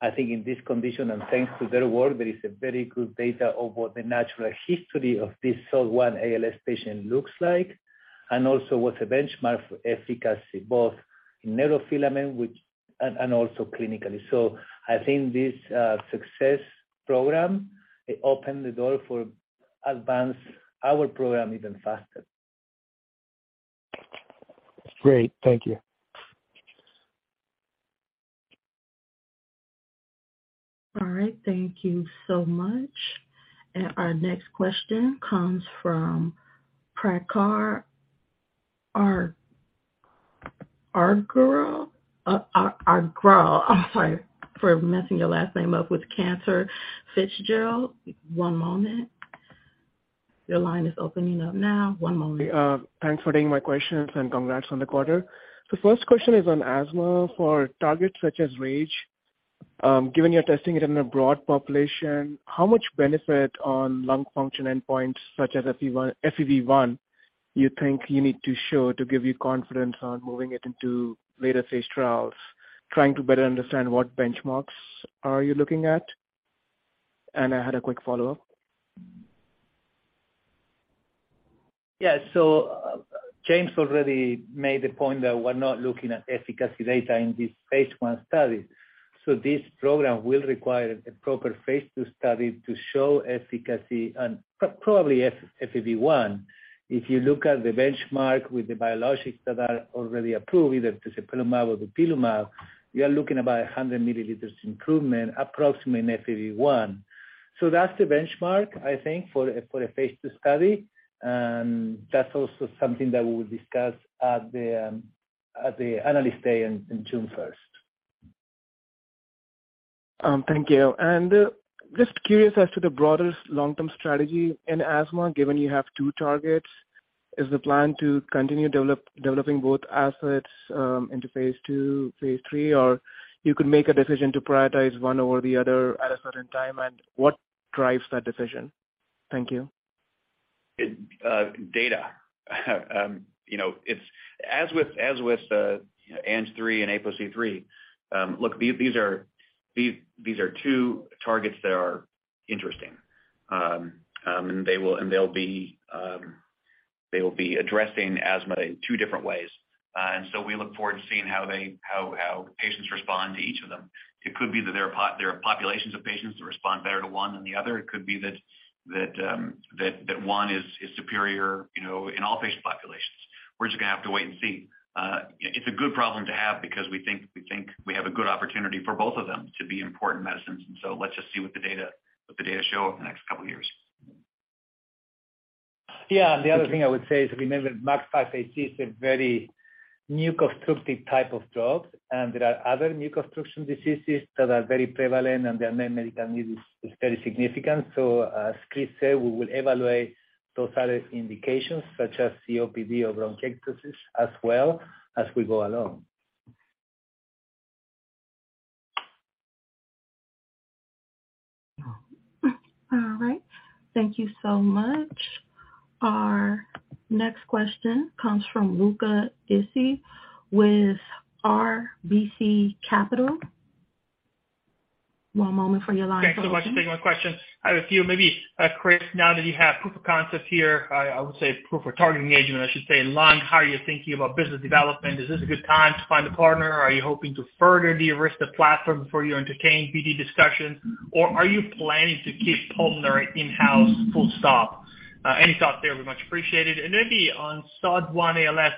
D: I think in this condition and thanks to their work, there is a very good data of what the natural history of this SOD1 ALS patient looks like, and also what the benchmark for efficacy, both in neurofilament with and also clinically. I think this success program, it open the door for advance our program even faster.
M: Great. Thank you.
A: All right. Thank you so much. Our next question comes from Prakhar Agrawal. Agrawal, I'm sorry for messing your last name up, with Cantor Fitzgerald. One moment. Your line is opening up now. One moment.
N: Thanks for taking my questions, and congrats on the quarter. First question is on asthma. For targets such as RAGE, given you're testing it in a broad population, how much benefit on lung function endpoints such as FEV1 you think you need to show to give you confidence on moving it into later-phase trials? Trying to better understand what benchmarks are you looking at. I had a quick follow-up.
D: Yeah. James already made the point that we're not looking at efficacy data in these phase I studies. This program will require a proper phase II study to show efficacy and probably FEV1. If you look at the benchmark with the biologics that are already approved, either dupilumab or tezepelumab, you are looking about 100 milliliters improvement, approximately in FEV1. That's the benchmark, I think, for a phase II study. That's also something that we will discuss at the analyst day in June 1st.
N: Thank you. Just curious as to the broader long-term strategy in asthma, given you have two targets. Is the plan to continue developing both assets into phase II, phase III, or you could make a decision to prioritize one over the other at a certain time? What drives that decision? Thank you.
C: Data. You know, as with ARO-ANG3 and ARO-C3, look, these are two targets that are interesting. They will be addressing asthma in two different ways. We look forward to seeing how patients respond to each of them. It could be that there are populations of patients that respond better to one than the other. It could be that one is superior, you know, in all patient populations. We're just gonna have to wait and see. It's a good problem to have because we think we have a good opportunity for both of them to be important medicines. Let's just see what the data show over the next couple years.
D: The other thing I would say is remember, MUC5AC is a very muco-obstructive type of drug, and there are other muco-obstructive diseases that are very prevalent, and their unmet medical need is very significant. As Chris said, we will evaluate those other indications such as COPD or bronchiectasis as well as we go along.
A: All right. Thank you so much. Our next question comes from Luca Issi with RBC Capital. One moment for your line to open.
O: Thanks so much for taking my question. I have a few maybe, Chris, now that you have proof of concept here, I would say proof of targeting agent, I should say in lung, how are you thinking about business development? Is this a good time to find a partner, or are you hoping to further de-risk the platform before you entertain BD discussion, or are you planning to keep pulmonary in-house full stop? Any thoughts there would be much appreciated. Maybe on SOD1 ALS,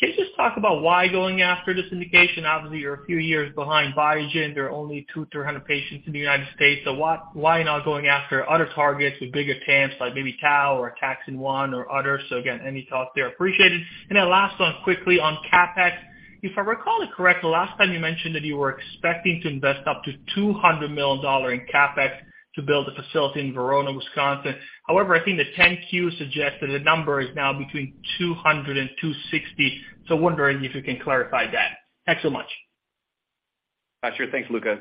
O: can you just talk about why going after this indication? Obviously, you're a few years behind Biogen. There are only 200-300 patients in the United States. Why not going after other targets with bigger TAMs like maybe tau or ataxin-1 or others? Again, any thoughts there are appreciated. Last one quickly on CapEx. If I recall it correctly, last time you mentioned that you were expecting to invest up to $200 million in CapEx to build a facility in Verona, Wisconsin. However, I think the Form 10-Q suggests that the number is now between $200 million and $260 million. Wondering if you can clarify that. Thanks so much.
C: Sure. Thanks, Luca.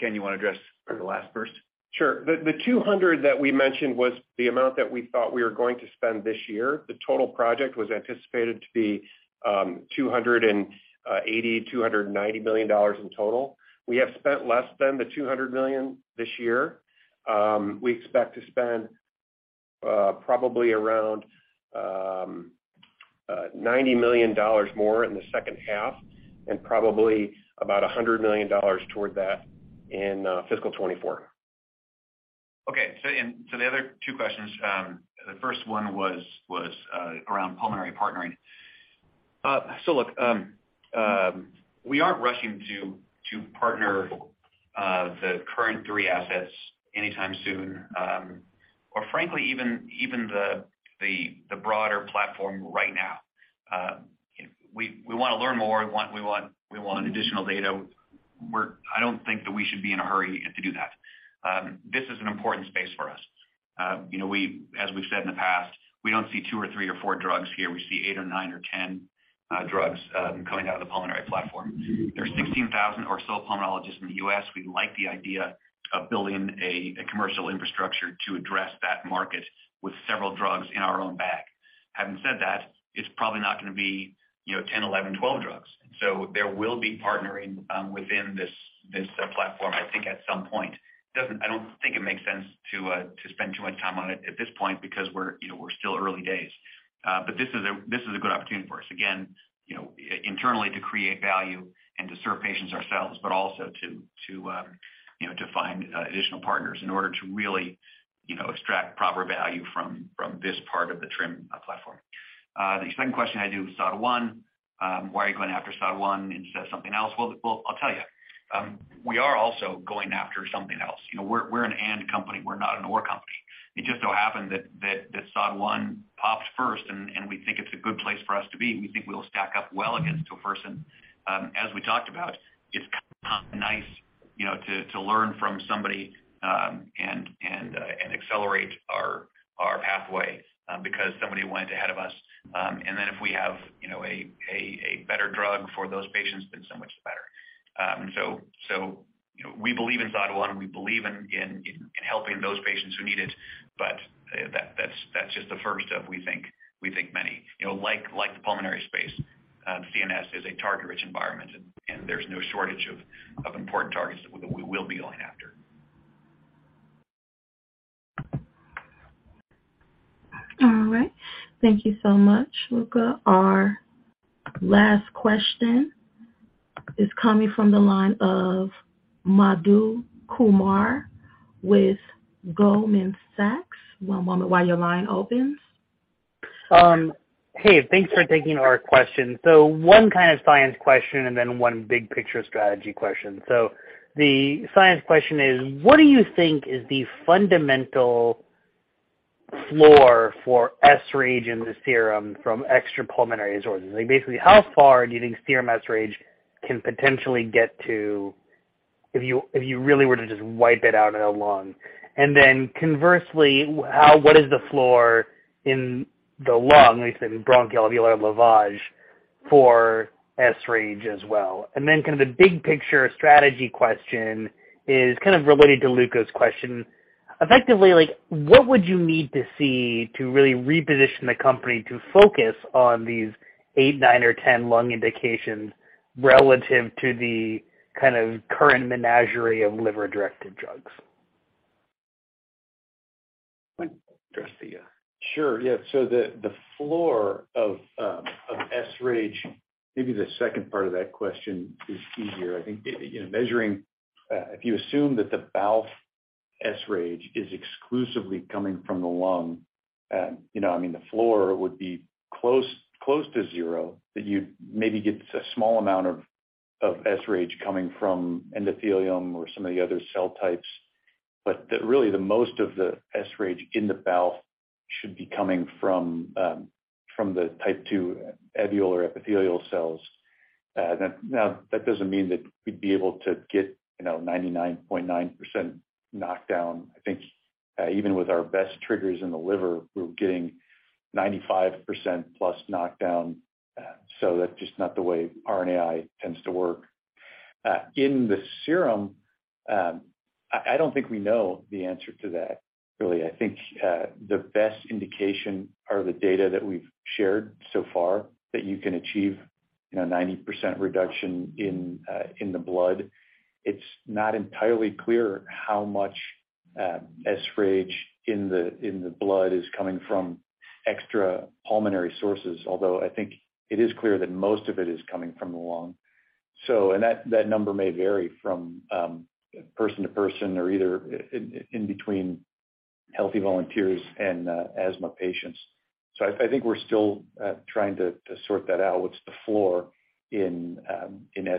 C: Ken, you wanna address the last first?
F: Sure. The $200 that we mentioned was the amount that we thought we were going to spend this year. The total project was anticipated to be $280 million-$290 million in total. We have spent less than the $200 million this year. We expect to spend probably around $90 million more in the second half and probably about $100 million toward that in fiscal 2024.
C: Okay. The other two questions, the first one was around pulmonary partnering. Look, we aren't rushing to partner the current three assets anytime soon, or frankly, even the broader platform right now. We wanna learn more. We want additional data. I don't think that we should be in a hurry to do that. This is an important space for us. You know, as we've said in the past, we don't see two or three or four drugs here. We see eight or nine or 10 drugs coming out of the pulmonary platform. There are 16,000 or so pulmonologists in the U.S. We like the idea of building a commercial infrastructure to address that market with several drugs in our own bag. Having said that, it's probably not gonna be, you know, ten, eleven, twelve drugs. There will be partnering within this platform, I think, at some point. I don't think it makes sense to spend too much time on it at this point because we're, you know, we're still early days. This is a good opportunity for us, again, you know, internally to create value and to serve patients ourselves, but also to find additional partners in order to really, you know, extract proper value from this part of the TRiM platform. The second question I do with SOD1, why are you going after SOD1 instead of something else? Well, I'll tell you, we are also going after something else. You know, we're an and company, we're not an or company. It just so happened that SOD1 popped first and we think it's a good place for us to be. We think we'll stack up well against tofersen. As we talked about, it's kind of nice, you know, to learn from somebody and accelerate our pathway because somebody went ahead of us. If we have, you know, a better drug for those patients, then so much the better. You know, we believe in SOD1, we believe in helping those patients who need it. That's just the first of we think many. You know, like the pulmonary space, CNS is a target-rich environment, and there's no shortage of important targets that we will be going after.
A: All right. Thank you so much, Luca. Our last question is coming from the line of Madhu Kumar with Goldman Sachs. One moment while your line opens.
P: Hey, thanks for taking our question. One science question and then one big picture strategy question. The science question is, what do you think is the fundamental floor for sRAGE in the serum from extra pulmonary sources? Like basically, how far do you think serum sRAGE can potentially get to if you really were to just wipe it out in a lung? Conversely, what is the floor in the lung, like say, in bronchoalveolar lavage for sRAGE as well? A big picture strategy question is related to Luca's question. Effectively, like what would you need to see to really reposition the company to focus on these 8, 9 or 10 lung indications relative to the current menagerie of liver-directed drugs?
C: Want to address the...
E: Sure, yeah. The floor of sRAGE, maybe the second part of that question is easier. I think, you know, measuring, if you assume that the BALF sRAGE is exclusively coming from the lung, you know, I mean, the floor would be close to zero, that you'd maybe get a small amount of sRAGE coming from endothelium or some of the other cell types. Really the most of the sRAGE in the BALF should be coming from the type II alveolar epithelial cells. Now, that doesn't mean that we'd be able to get, you know, 99.9% knockdown. I think, even with our best triggers in the liver, we're getting 95% plus knockdown. That's just not the way RNAi tends to work. In the serum, I don't think we know the answer to that really. I think the best indication are the data that we've shared so far that you can achieve, you know, 90% reduction in the blood. It's not entirely clear how much sRAGE in the blood is coming from extra pulmonary sources although I think it is clear that most of it is coming from the lung. And that number may vary from person to person or either in between healthy volunteers and asthma patients. I think we're still trying to sort that out, what's the floor in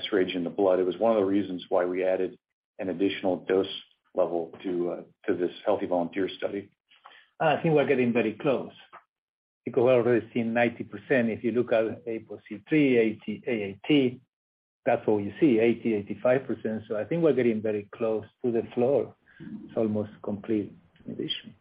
E: sRAGE in the blood. It was one of the reasons why we added an additional dose level to this healthy volunteer study.
D: I think we're getting very close because we've already seen 90%. If you look at ARO-C3, AAT, that's what you see, 80%-85%. I think we're getting very close to the floor. It's almost complete inhibition.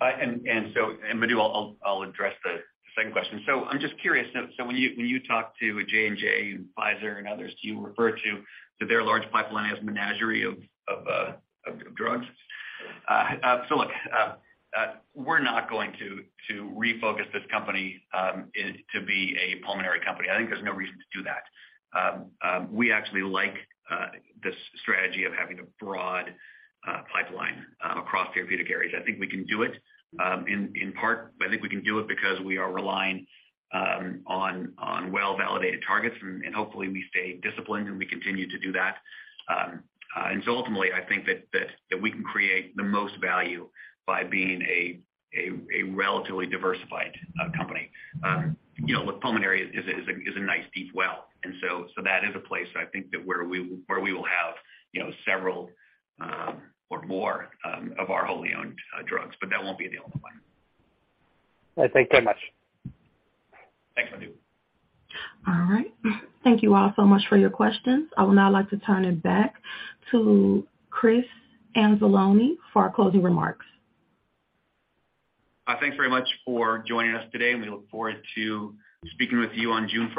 C: Madhu I'll address the second question. I'm just curious, when you talk to J&J and Pfizer and others, do you refer to their large pipeline as menagerie of drugs? Look, we're not going to refocus this company to be a pulmonary company. I think there's no reason to do that. We actually like this strategy of having a broad pipeline across therapeutic areas. I think we can do it in part, I think we can do it because we are relying on well-validated targets and hopefully we stay disciplined and we continue to do that. Ultimately I think that we can create the most value by being a relatively diversified company. You know, look, pulmonary is a nice deep well so that is a place I think that where we will have, you know, several or more of our wholly owned drugs, but that won't be the only one.
P: All right. Thank you very much.
C: Thanks, Madhu.
A: All right. Thank you all so much for your questions. I would now like to turn it back to Chris Anzalone for our closing remarks.
C: Thanks very much for joining us today, and we look forward to speaking with you on June 4th.